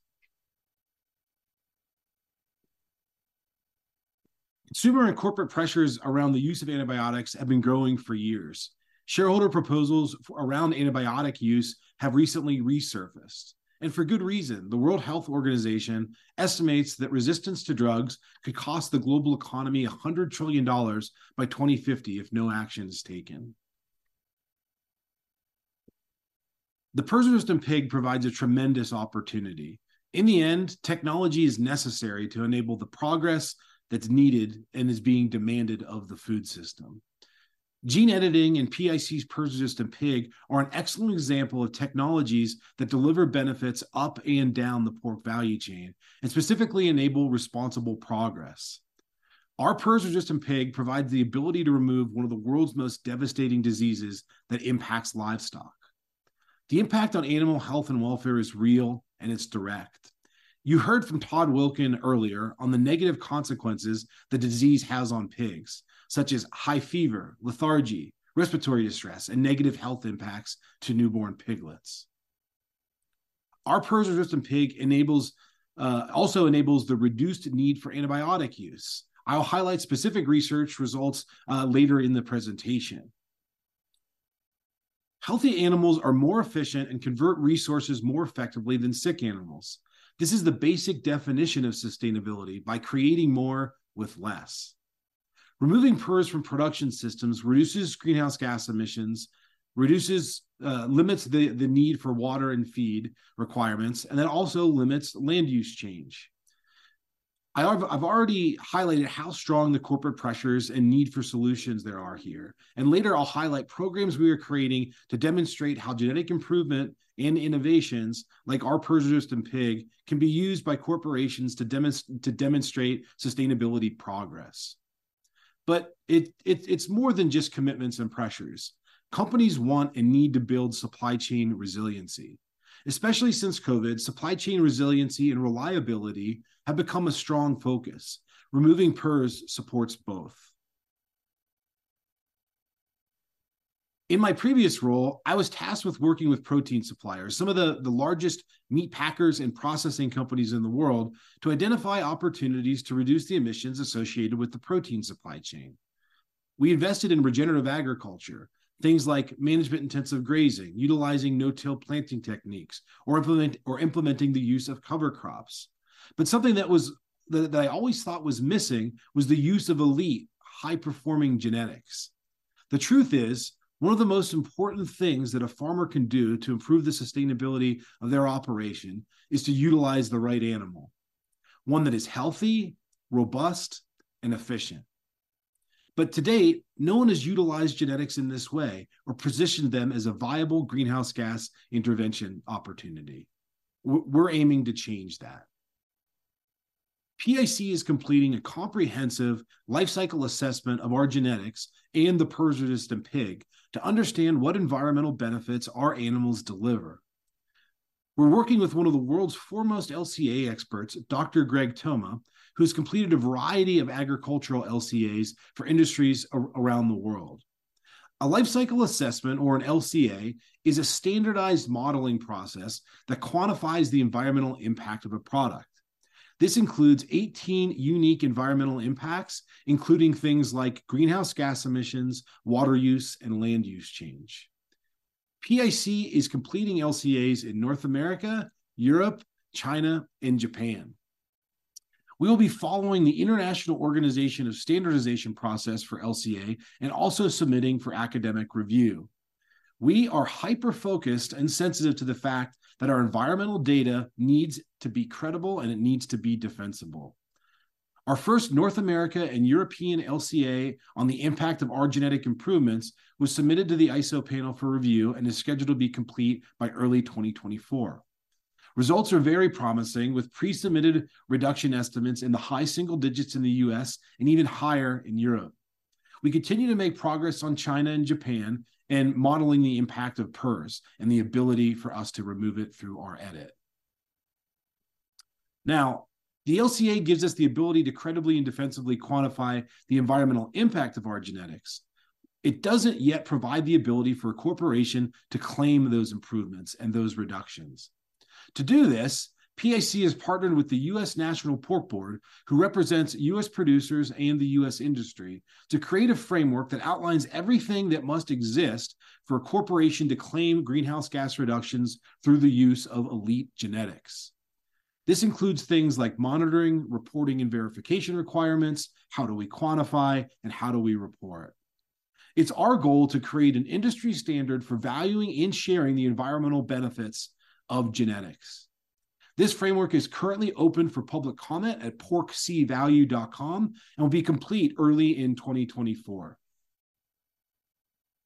Consumer and corporate pressures around the use of antibiotics have been growing for years. Shareholder proposals around antibiotic use have recently resurfaced, and for good reason. The World Health Organization estimates that resistance to drugs could cost the global economy $100 trillion by 2050 if no action is taken. The PRRS-resistant pig provides a tremendous opportunity. In the end, technology is necessary to enable the progress that's needed and is being demanded of the food system. Gene editing and PIC's PRRS-resistant pig are an excellent example of technologies that deliver benefits up and down the pork value chain and specifically enable responsible progress. Our PRRS-resistant pig provides the ability to remove one of the world's most devastating diseases that impacts livestock. The impact on animal health and welfare is real, and it's direct. You heard from Todd Wilken earlier on the negative consequences the disease has on pigs, such as high fever, lethargy, respiratory distress, and negative health impacts to newborn piglets. Our PRRS-resistant pig enables, also enables the reduced need for antibiotic use. I'll highlight specific research results, later in the presentation. Healthy animals are more efficient and convert resources more effectively than sick animals. This is the basic definition of sustainability by creating more with less. Removing PRRS from production systems reduces greenhouse gas emissions, reduces, limits the need for water and feed requirements, and then also limits land use change. I've already highlighted how strong the corporate pressures and need for solutions there are here, and later, I'll highlight programs we are creating to demonstrate how genetic improvement and innovations, like our PRRS-resistant pig, can be used by corporations to demonstrate sustainability progress. But it, it's more than just commitments and pressures. Companies want and need to build supply chain resiliency. Especially since COVID, supply chain resiliency and reliability have become a strong focus. Removing PRRS supports both. In my previous role, I was tasked with working with protein suppliers, some of the largest meat packers and processing companies in the world, to identify opportunities to reduce the emissions associated with the protein supply chain. We invested in regenerative agriculture, things like management-intensive grazing, utilizing no-till planting techniques, or implementing the use of cover crops. But something that I always thought was missing was the use of elite, high-performing genetics. The truth is, one of the most important things that a farmer can do to improve the sustainability of their operation is to utilize the right animal, one that is healthy, robust, and efficient. But to date, no one has utilized genetics in this way or positioned them as a viable greenhouse gas intervention opportunity. We're aiming to change that. PIC is completing a comprehensive lifecycle assessment of our genetics and the PRRS-resistant pig to understand what environmental benefits our animals deliver. We're working with one of the world's foremost LCA experts, Dr. Greg Thoma, who's completed a variety of agricultural LCAs for industries around the world. A life cycle assessment, or an LCA, is a standardized modeling process that quantifies the environmental impact of a product. This includes 18 unique environmental impacts, including things like greenhouse gas emissions, water use, and land use change. PIC is completing LCAs in North America, Europe, China, and Japan. We will be following the International Organization for Standardization process for LCA and also submitting for academic review. We are hyper-focused and sensitive to the fact that our environmental data needs to be credible, and it needs to be defensible. Our first North America and European LCA on the impact of our genetic improvements was submitted to the ISO panel for review and is scheduled to be complete by early 2024. Results are very promising, with pre-submitted reduction estimates in the high single digits in the U.S. and even higher in Europe. We continue to make progress on China and Japan and modeling the impact of PRRS and the ability for us to remove it through our edit. Now, the LCA gives us the ability to credibly and defensively quantify the environmental impact of our genetics. It doesn't yet provide the ability for a corporation to claim those improvements and those reductions. To do this, PIC has partnered with the National Pork Board, who represents U.S. producers and the U.S. industry, to create a framework that outlines everything that must exist for a corporation to claim greenhouse gas reductions through the use of elite genetics. This includes things like monitoring, reporting, and verification requirements, how do we quantify, and how do we report? It's our goal to create an industry standard for valuing and sharing the environmental benefits of genetics. This framework is currently open for public comment at porkcvalue.com and will be complete early in 2024.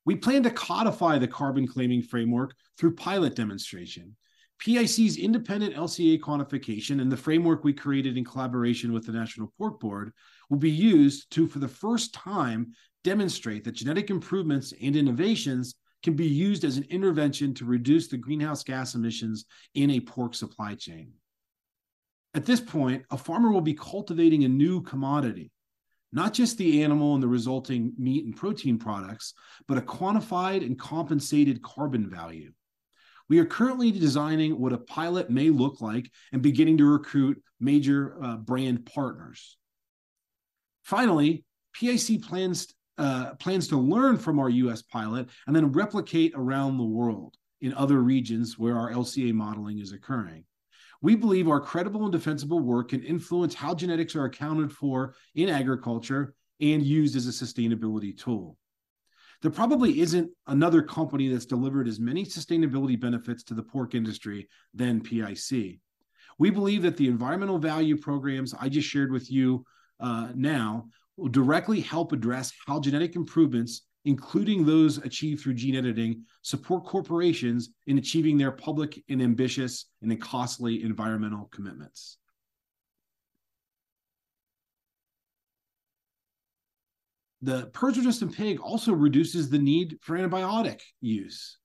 We plan to codify the carbon claiming framework through pilot demonstration. PIC's independent LCA quantification and the framework we created in collaboration with the National Pork Board will be used to, for the first time, demonstrate that genetic improvements and innovations can be used as an intervention to reduce the greenhouse gas emissions in a pork supply chain. At this point, a farmer will be cultivating a new commodity, not just the animal and the resulting meat and protein products, but a quantified and compensated carbon value. We are currently designing what a pilot may look like and beginning to recruit major brand partners. Finally, PIC plans to learn from our U.S. pilot and then replicate around the world in other regions where our LCA modeling is occurring. We believe our credible and defensible work can influence how genetics are accounted for in agriculture and used as a sustainability tool. There probably isn't another company that's delivered as many sustainability benefits to the pork industry than PIC. We believe that the environmental value programs I just shared with you now will directly help address how genetic improvements, including those achieved through gene editing, support corporations in achieving their public and ambitious and costly environmental commitments. The PRRS-resistant pig also reduces the need for antibiotic use.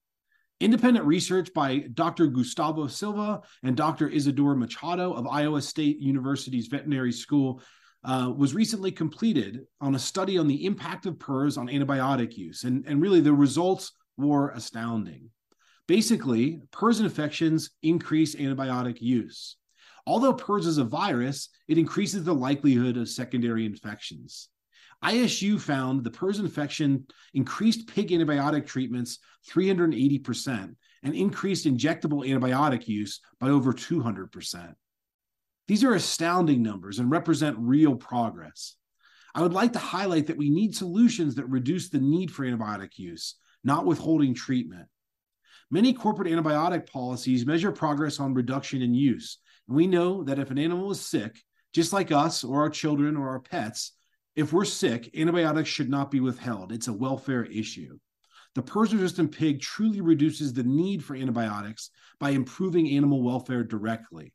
Independent research by Dr. Gustavo Silva and Dr. Isadora Machado of Iowa State University's Veterinary School was recently completed on a study on the impact of PRRS on antibiotic use, and really, the results were astounding. Basically, PRRS infections increase antibiotic use. Although PRRS is a virus, it increases the likelihood of secondary infections. ISU found the PRRS infection increased pig antibiotic treatments 380% and increased injectable antibiotic use by over 200%. These are astounding numbers and represent real progress. I would like to highlight that we need solutions that reduce the need for antibiotic use, not withholding treatment. Many corporate antibiotic policies measure progress on reduction in use. We know that if an animal is sick, just like us or our children or our pets, if we're sick, antibiotics should not be withheld. It's a welfare issue. The PRRS-resistant pig truly reduces the need for antibiotics by improving animal welfare directly.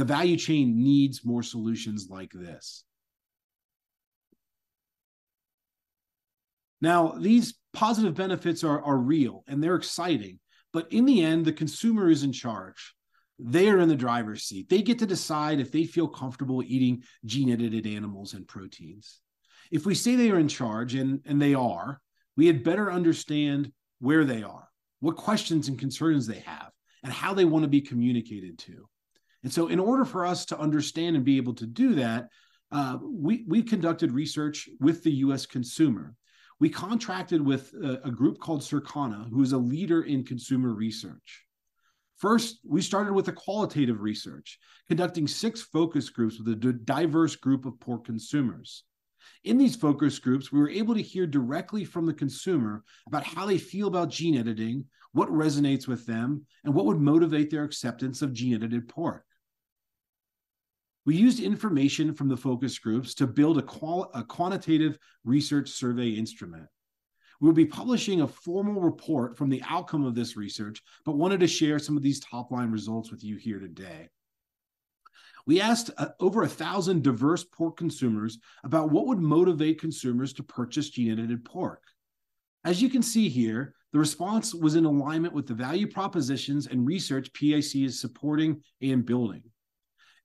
The value chain needs more solutions like this. Now, these positive benefits are real, and they're exciting, but in the end, the consumer is in charge. They are in the driver's seat. They get to decide if they feel comfortable eating gene-edited animals and proteins. If we say they are in charge, and they are, we had better understand where they are, what questions and concerns they have, and how they want to be communicated to. So in order for us to understand and be able to do that, we conducted research with the U.S. consumer. We contracted with a group called Circana, who is a leader in consumer research. First, we started with a qualitative research, conducting six focus groups with a diverse group of pork consumers. In these focus groups, we were able to hear directly from the consumer about how they feel about gene editing, what resonates with them, and what would motivate their acceptance of gene-edited pork. We used information from the focus groups to build a quantitative research survey instrument.... We'll be publishing a formal report from the outcome of this research, but wanted to share some of these top-line results with you here today. We asked over 1,000 diverse pork consumers about what would motivate consumers to purchase gene-edited pork. As you can see here, the response was in alignment with the value propositions and research PIC is supporting and building.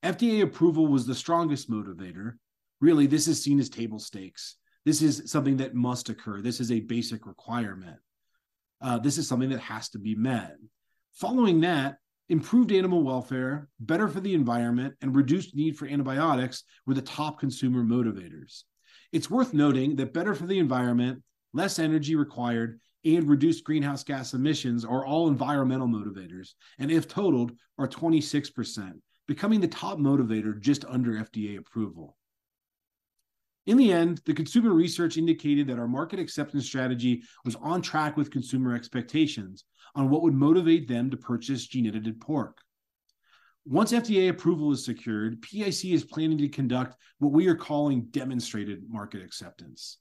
FDA approval was the strongest motivator. Really, this is seen as table stakes. This is something that must occur. This is a basic requirement. This is something that has to be met. Following that, improved animal welfare, better for the environment, and reduced need for antibiotics were the top consumer motivators. It's worth noting that better for the environment, less energy required, and reduced greenhouse gas emissions are all environmental motivators, and if totaled, are 26%, becoming the top motivator just under FDA approval. In the end, the consumer research indicated that our market acceptance strategy was on track with consumer expectations on what would motivate them to purchase gene-edited pork. Once FDA approval is secured, PIC is planning to conduct what we are calling demonstrated market acceptance.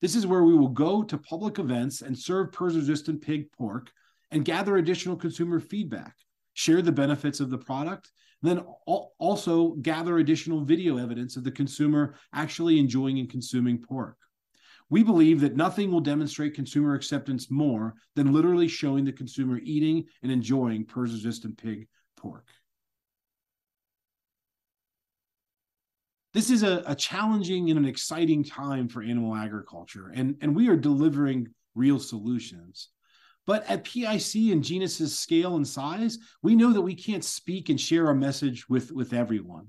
This is where we will go to public events and serve PRRS-resistant pig pork and gather additional consumer feedback, share the benefits of the product, then also gather additional video evidence of the consumer actually enjoying and consuming pork. We believe that nothing will demonstrate consumer acceptance more than literally showing the consumer eating and enjoying PRRS-resistant pig pork. This is a challenging and an exciting time for animal agriculture, and we are delivering real solutions. But at PIC and Genus' scale and size, we know that we can't speak and share our message with everyone.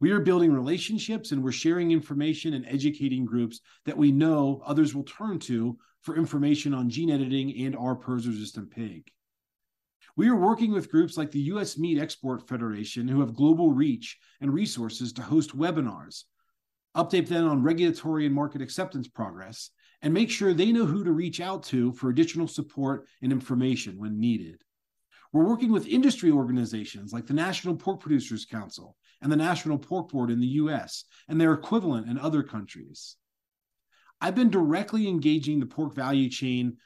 We are building relationships, and we're sharing information and educating groups that we know others will turn to for information on gene editing and our PRRS-resistant pig. We are working with groups like the U.S. Meat Export Federation, who have global reach and resources to host webinars, update them on regulatory and market acceptance progress, and make sure they know who to reach out to for additional support and information when needed. We're working with industry organizations like the National Pork Producers Council and the National Pork Board in the U.S. and their equivalent in other countries. I've been directly engaging the pork value chain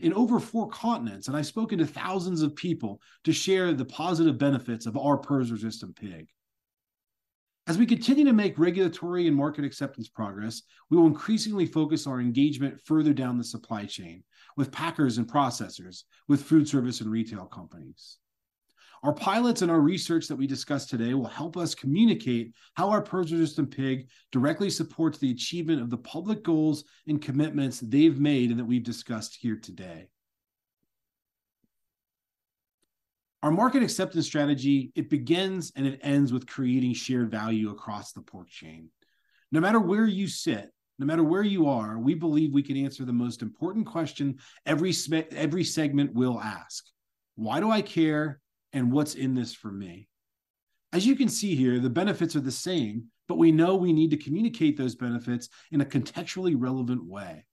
in over four continents, and I've spoken to thousands of people to share the positive benefits of our PRRS-resistant pig. As we continue to make regulatory and market acceptance progress, we will increasingly focus our engagement further down the supply chain with packers and processors, with food service and retail companies. Our pilots and our research that we discussed today will help us communicate how our PRRS-resistant pig directly supports the achievement of the public goals and commitments they've made and that we've discussed here today. Our market acceptance strategy, it begins and it ends with creating shared value across the pork chain. No matter where you sit, no matter where you are, we believe we can answer the most important question every segment will ask: Why do I care, and what's in this for me? As you can see here, the benefits are the same, but we know we need to communicate those benefits in a contextually relevant way.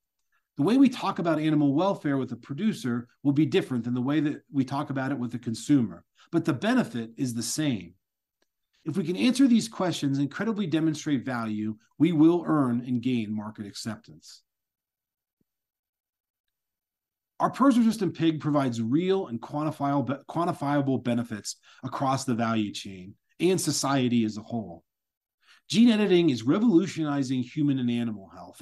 The way we talk about animal welfare with a producer will be different than the way that we talk about it with a consumer, but the benefit is the same. If we can answer these questions and credibly demonstrate value, we will earn and gain market acceptance. Our PRRS-resistant pig provides real and quantifiable benefits across the value chain and society as a whole. Gene editing is revolutionizing human and animal health,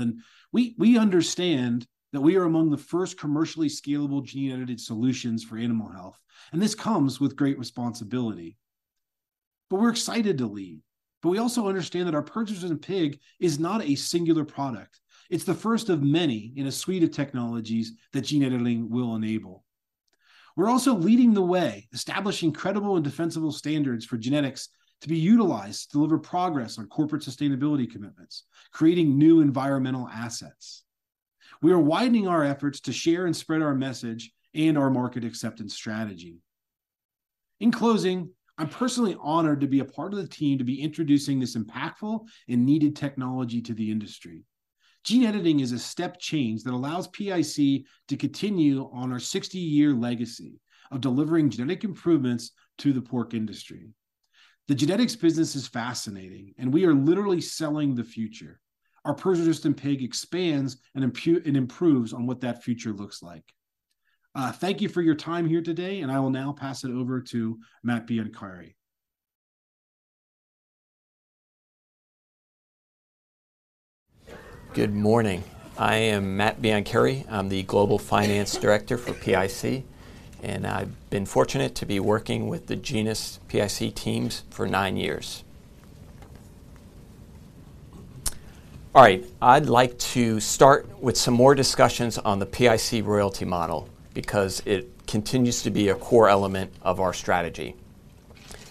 and we understand that we are among the first commercially scalable gene-edited solutions for animal health, and this comes with great responsibility. But we're excited to lead, but we also understand that our PRRS-resistant pig is not a singular product. It's the first of many in a suite of technologies that gene editing will enable. We're also leading the way, establishing credible and defensible standards for genetics to be utilized to deliver progress on corporate sustainability commitments, creating new environmental assets. We are widening our efforts to share and spread our message and our market acceptance strategy. In closing, I'm personally honored to be a part of the team to be introducing this impactful and needed technology to the industry. Gene editing is a step change that allows PIC to continue on our 60-year legacy of delivering genetic improvements to the pork industry. The genetics business is fascinating, and we are literally selling the future. Our PRRS-resistant pig expands and improves on what that future looks like. Thank you for your time here today, and I will now pass it over to Matt Biancheri. Good morning. I am Matt Biancheri. I'm the Global Finance Director for PIC, and I've been fortunate to be working with the Genus PIC teams for nine years. All right, I'd like to start with some more discussions on the PIC royalty model because it continues to be a core element of our strategy.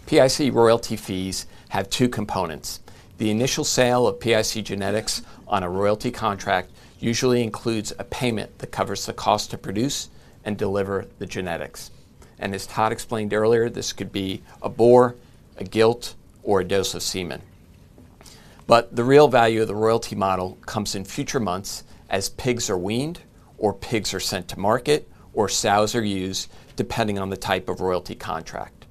PIC royalty fees have two components. The initial sale of PIC genetics on a royalty contract usually includes a payment that covers the cost to produce and deliver the genetics, and as Todd explained earlier, this could be a boar, a gilt, or a dose of semen. But the real value of the royalty model comes in future months as pigs are weaned or pigs are sent to market or sows are used, depending on the type of royalty contract....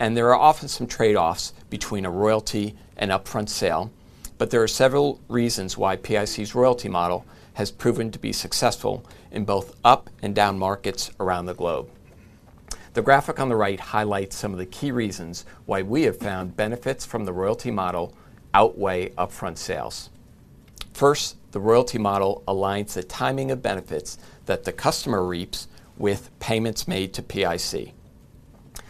There are often some trade-offs between a royalty and upfront sale, but there are several reasons why PIC's royalty model has proven to be successful in both up and down markets around the globe. The graphic on the right highlights some of the key reasons why we have found benefits from the royalty model outweigh upfront sales. First, the royalty model aligns the timing of benefits that the customer reaps with payments made to PIC.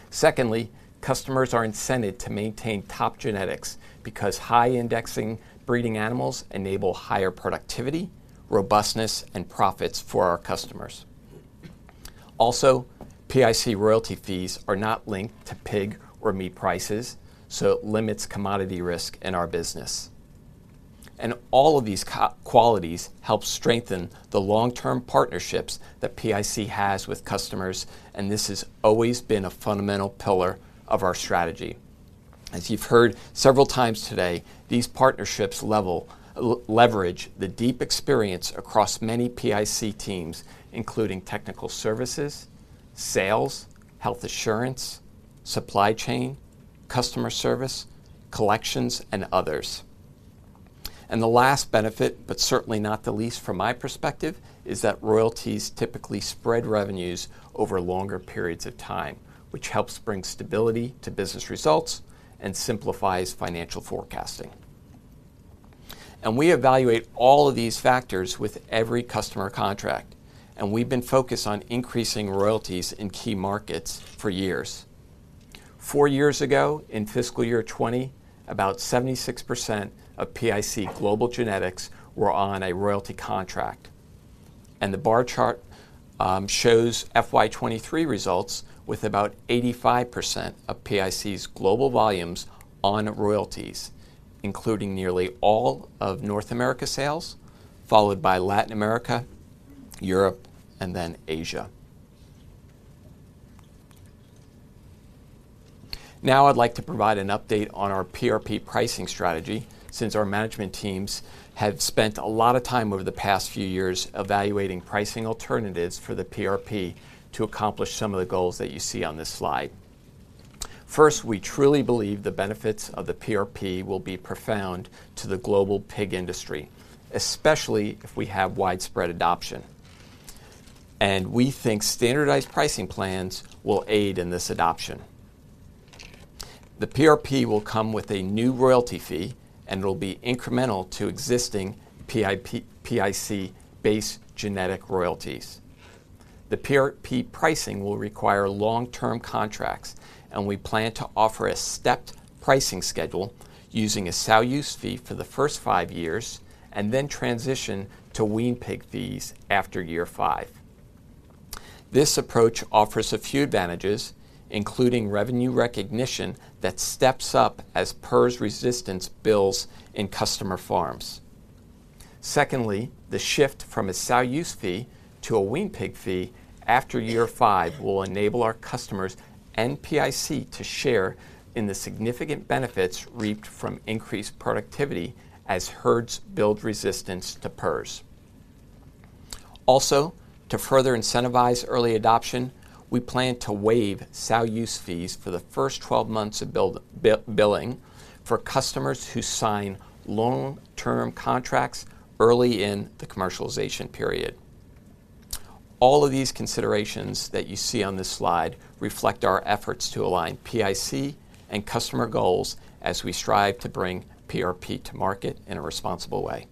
Secondly, customers are incented to maintain top genetics because high-indexing breeding animals enable higher productivity, robustness, and profits for our customers. Also, PIC royalty fees are not linked to pig or meat prices, so it limits commodity risk in our business. And all of these qualities help strengthen the long-term partnerships that PIC has with customers, and this has always been a fundamental pillar of our strategy. As you've heard several times today, these partnerships leverage the deep experience across many PIC teams, including technical services, sales, health assurance, supply chain, customer service, collections, and others. The last benefit, but certainly not the least from my perspective, is that royalties typically spread revenues over longer periods of time, which helps bring stability to business results and simplifies financial forecasting. We evaluate all of these factors with every customer contract, and we've been focused on increasing royalties in key markets for years. Four years ago, in fiscal year 2020, about 76% of PIC global genetics were on a royalty contract. The bar chart shows FY 2023 results, with about 85% of PIC's global volumes on royalties, including nearly all of North America sales, followed by Latin America, Europe, and then Asia. Now, I'd like to provide an update on our PRP pricing strategy, since our management teams have spent a lot of time over the past few years evaluating pricing alternatives for the PRP to accomplish some of the goals that you see on this slide. First, we truly believe the benefits of the PRP will be profound to the global pig industry, especially if we have widespread adoption, and we think standardized pricing plans will aid in this adoption. The PRP will come with a new royalty fee and will be incremental to existing PIC-based genetic royalties. The PRP pricing will require long-term contracts, and we plan to offer a stepped pricing schedule using a sow use fee for the first five years, and then transition to wean pig fees after year five. This approach offers a few advantages, including revenue recognition that steps up as PRRS resistance builds in customer farms. Secondly, the shift from a sow use fee to a wean pig fee after year 5 will enable our customers and PIC to share in the significant benefits reaped from increased productivity as herds build resistance to PRRS. Also, to further incentivize early adoption, we plan to waive sow use fees for the first 12 months of build billing for customers who sign long-term contracts early in the commercialization period. All of these considerations that you see on this slide reflect our efforts to align PIC and customer goals as we strive to bring PRP to market in a responsible way.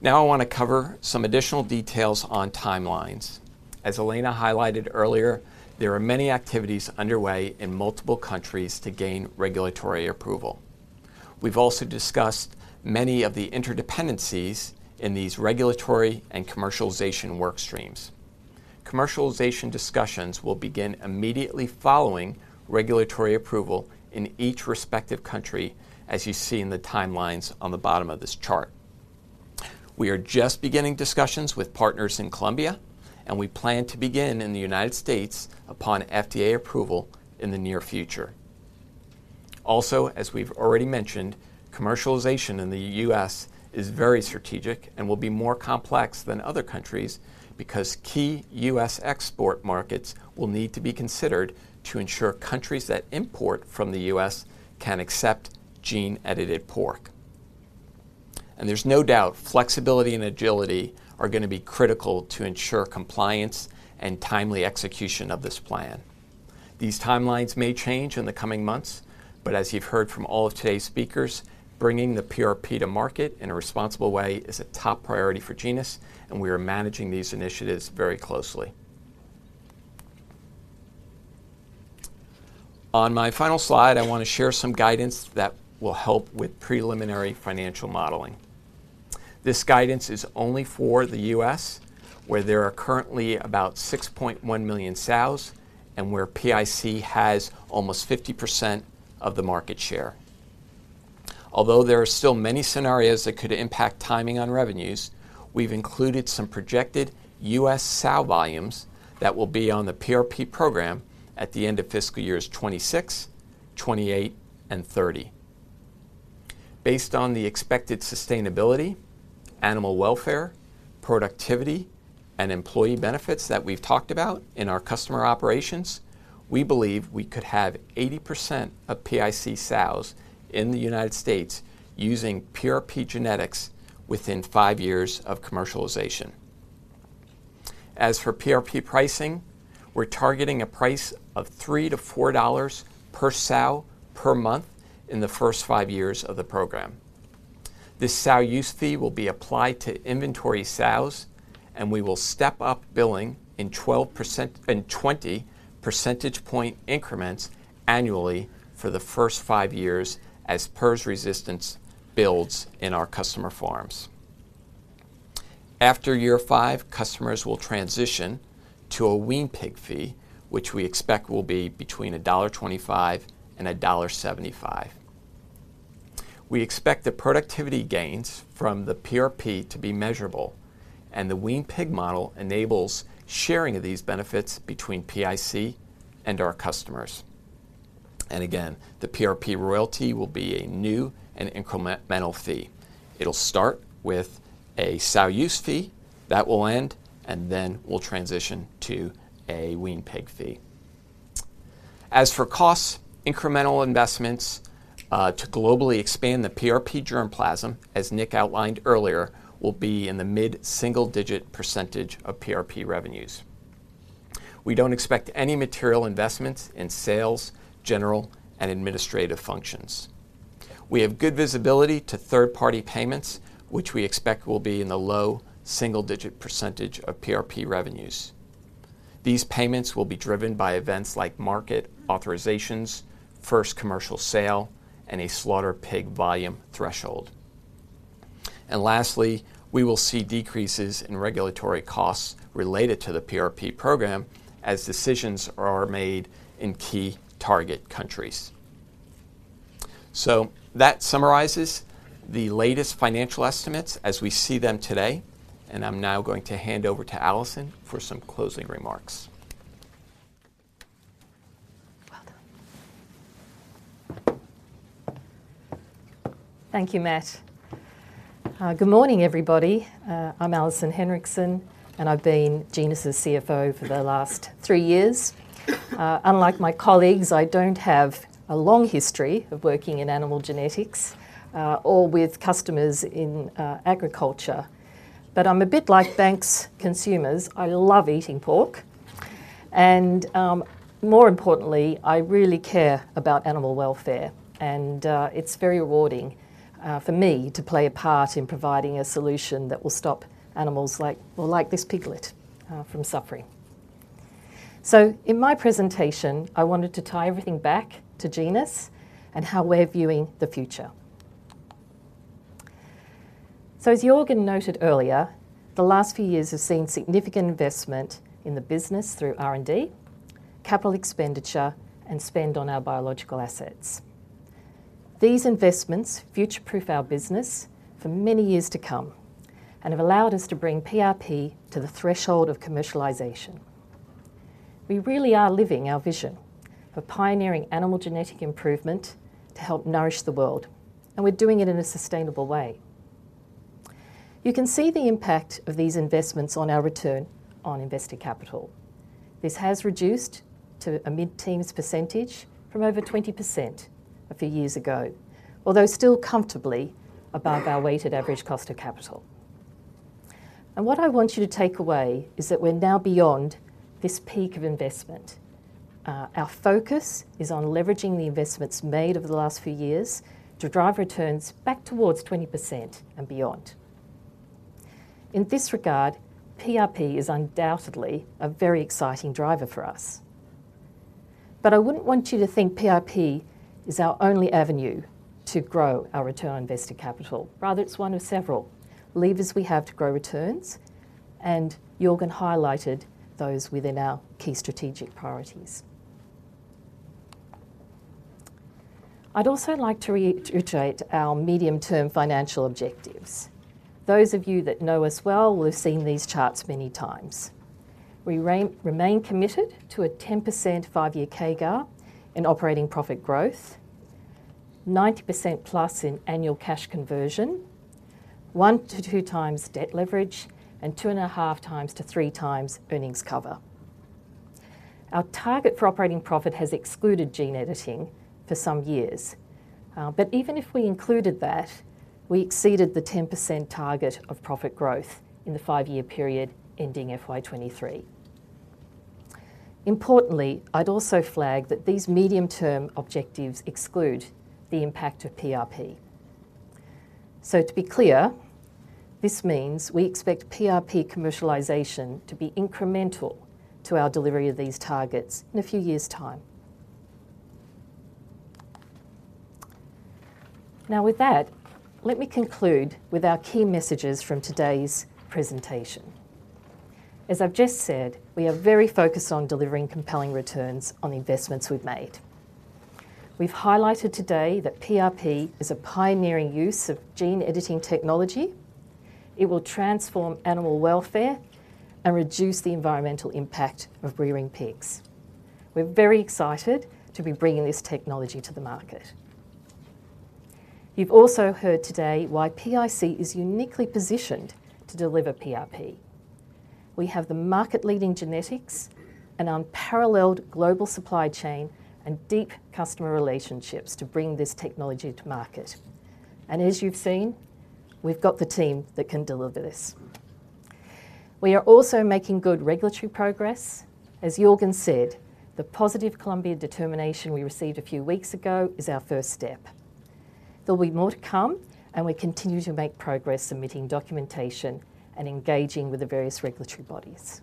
Now I want to cover some additional details on timelines. As Elena highlighted earlier, there are many activities underway in multiple countries to gain regulatory approval. We've also discussed many of the interdependencies in these regulatory and commercialization work streams. Commercialization discussions will begin immediately following regulatory approval in each respective country, as you see in the timelines on the bottom of this chart. We are just beginning discussions with partners in Colombia, and we plan to begin in the United States upon FDA approval in the near future. Also, as we've already mentioned, commercialization in the U.S. is very strategic and will be more complex than other countries because key U.S. export markets will need to be considered to ensure countries that import from the U.S. can accept gene-edited pork. There's no doubt flexibility and agility are going to be critical to ensure compliance and timely execution of this plan. These timelines may change in the coming months, but as you've heard from all of today's speakers, bringing the PRP to market in a responsible way is a top priority for Genus, and we are managing these initiatives very closely. On my final slide, I want to share some guidance that will help with preliminary financial modeling. This guidance is only for the U.S., where there are currently about 6.1 million sows and where PIC has almost 50% of the market share. Although there are still many scenarios that could impact timing on revenues, we've included some projected U.S. sow volumes that will be on the PRP program at the end of fiscal years 2026, 2028, and 2030.... Based on the expected sustainability, animal welfare, productivity, and employee benefits that we've talked about in our customer operations, we believe we could have 80% of PIC sows in the United States using PRP genetics within 5 years of commercialization. As for PRP pricing, we're targeting a price of $3-$4 per sow per month in the first 5 years of the program. This sow use fee will be applied to inventory sows, and we will step up billing in 12%, in 20 percentage point increments annually for the first 5 years as PRRS resistance builds in our customer farms. After year 5, customers will transition to a wean pig fee, which we expect will be between $1.25 and $1.75. We expect the productivity gains from the PRP to be measurable, and the wean pig model enables sharing of these benefits between PIC and our customers. And again, the PRP royalty will be a new and incremental fee. It'll start with a sow use fee, that will end, and then we'll transition to a wean pig fee. As for costs, incremental investments to globally expand the PRP germplasm, as Nick outlined earlier, will be in the mid-single-digit % of PRP revenues. We don't expect any material investments in sales, general, and administrative functions. We have good visibility to third-party payments, which we expect will be in the low single-digit % of PRP revenues. These payments will be driven by events like market authorizations, first commercial sale, and a slaughter pig volume threshold. Lastly, we will see decreases in regulatory costs related to the PRP program as decisions are made in key target countries. That summarizes the latest financial estimates as we see them today, and I'm now going to hand over to Alison for some closing remarks. Well done. Thank you, Matt. Good morning, everybody. I'm Alison Henriksen, and I've been Genus's CFO for the last three years. Unlike my colleagues, I don't have a long history of working in animal genetics, or with customers in agriculture, but I'm a bit like Banks consumers, I love eating pork, and, more importantly, I really care about animal welfare, and, it's very rewarding, for me to play a part in providing a solution that will stop animals like, well, like this piglet, from suffering. So in my presentation, I wanted to tie everything back to Genus and how we're viewing the future. So as Jorgen noted earlier, the last few years have seen significant investment in the business through R&D, capital expenditure, and spend on our biological assets. These investments future-proof our business for many years to come and have allowed us to bring PRP to the threshold of commercialization. We really are living our vision for pioneering animal genetic improvement to help nourish the world, and we're doing it in a sustainable way. You can see the impact of these investments on our return on invested capital. This has reduced to a mid-teens % from over 20% a few years ago, although still comfortably above our weighted average cost of capital. And what I want you to take away is that we're now beyond this peak of investment. Our focus is on leveraging the investments made over the last few years to drive returns back towards 20% and beyond. In this regard, PRP is undoubtedly a very exciting driver for us. But I wouldn't want you to think PRP is our only avenue to grow our return on invested capital. Rather, it's one of several levers we have to grow returns, and Jorgen highlighted those within our key strategic priorities. I'd also like to reiterate our medium-term financial objectives. Those of you that know us well will have seen these charts many times. We remain committed to a 10% five-year CAGR in operating profit growth, 90%+ in annual cash conversion, 1-2x debt leverage, and 2.5-3x earnings cover. Our target for operating profit has excluded gene editing for some years, but even if we included that, we exceeded the 10% target of profit growth in the five-year period ending FY 2023. Importantly, I'd also flag that these medium-term objectives exclude the impact of PRP. So to be clear, this means we expect PRP commercialization to be incremental to our delivery of these targets in a few years' time. Now, with that, let me conclude with our key messages from today's presentation. As I've just said, we are very focused on delivering compelling returns on the investments we've made. We've highlighted today that PRP is a pioneering use of gene editing technology. It will transform animal welfare and reduce the environmental impact of rearing pigs. We're very excited to be bringing this technology to the market. You've also heard today why PIC is uniquely positioned to deliver PRP. We have the market-leading genetics, an unparalleled global supply chain, and deep customer relationships to bring this technology to market. And as you've seen, we've got the team that can deliver this. We are also making good regulatory progress. As Jorgen said, the positive FDA determination we received a few weeks ago is our first step. There will be more to come, and we continue to make progress submitting documentation and engaging with the various regulatory bodies.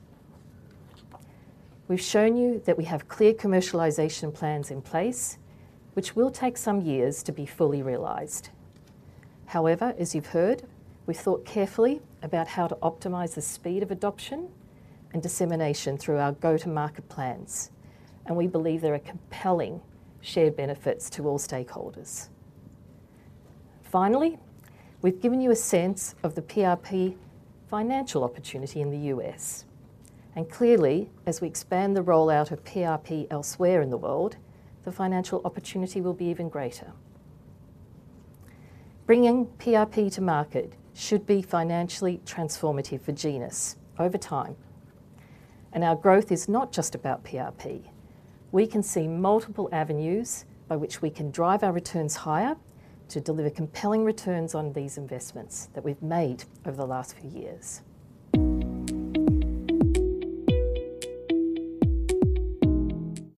We've shown you that we have clear commercialization plans in place, which will take some years to be fully realized. However, as you've heard, we thought carefully about how to optimize the speed of adoption and dissemination through our go-to-market plans, and we believe there are compelling shared benefits to all stakeholders. Finally, we've given you a sense of the PRP financial opportunity in the U.S., and clearly, as we expand the rollout of PRP elsewhere in the world, the financial opportunity will be even greater. Bringing PRP to market should be financially transformative for Genus over time, and our growth is not just about PRP. We can see multiple avenues by which we can drive our returns higher to deliver compelling returns on these investments that we've made over the last few years.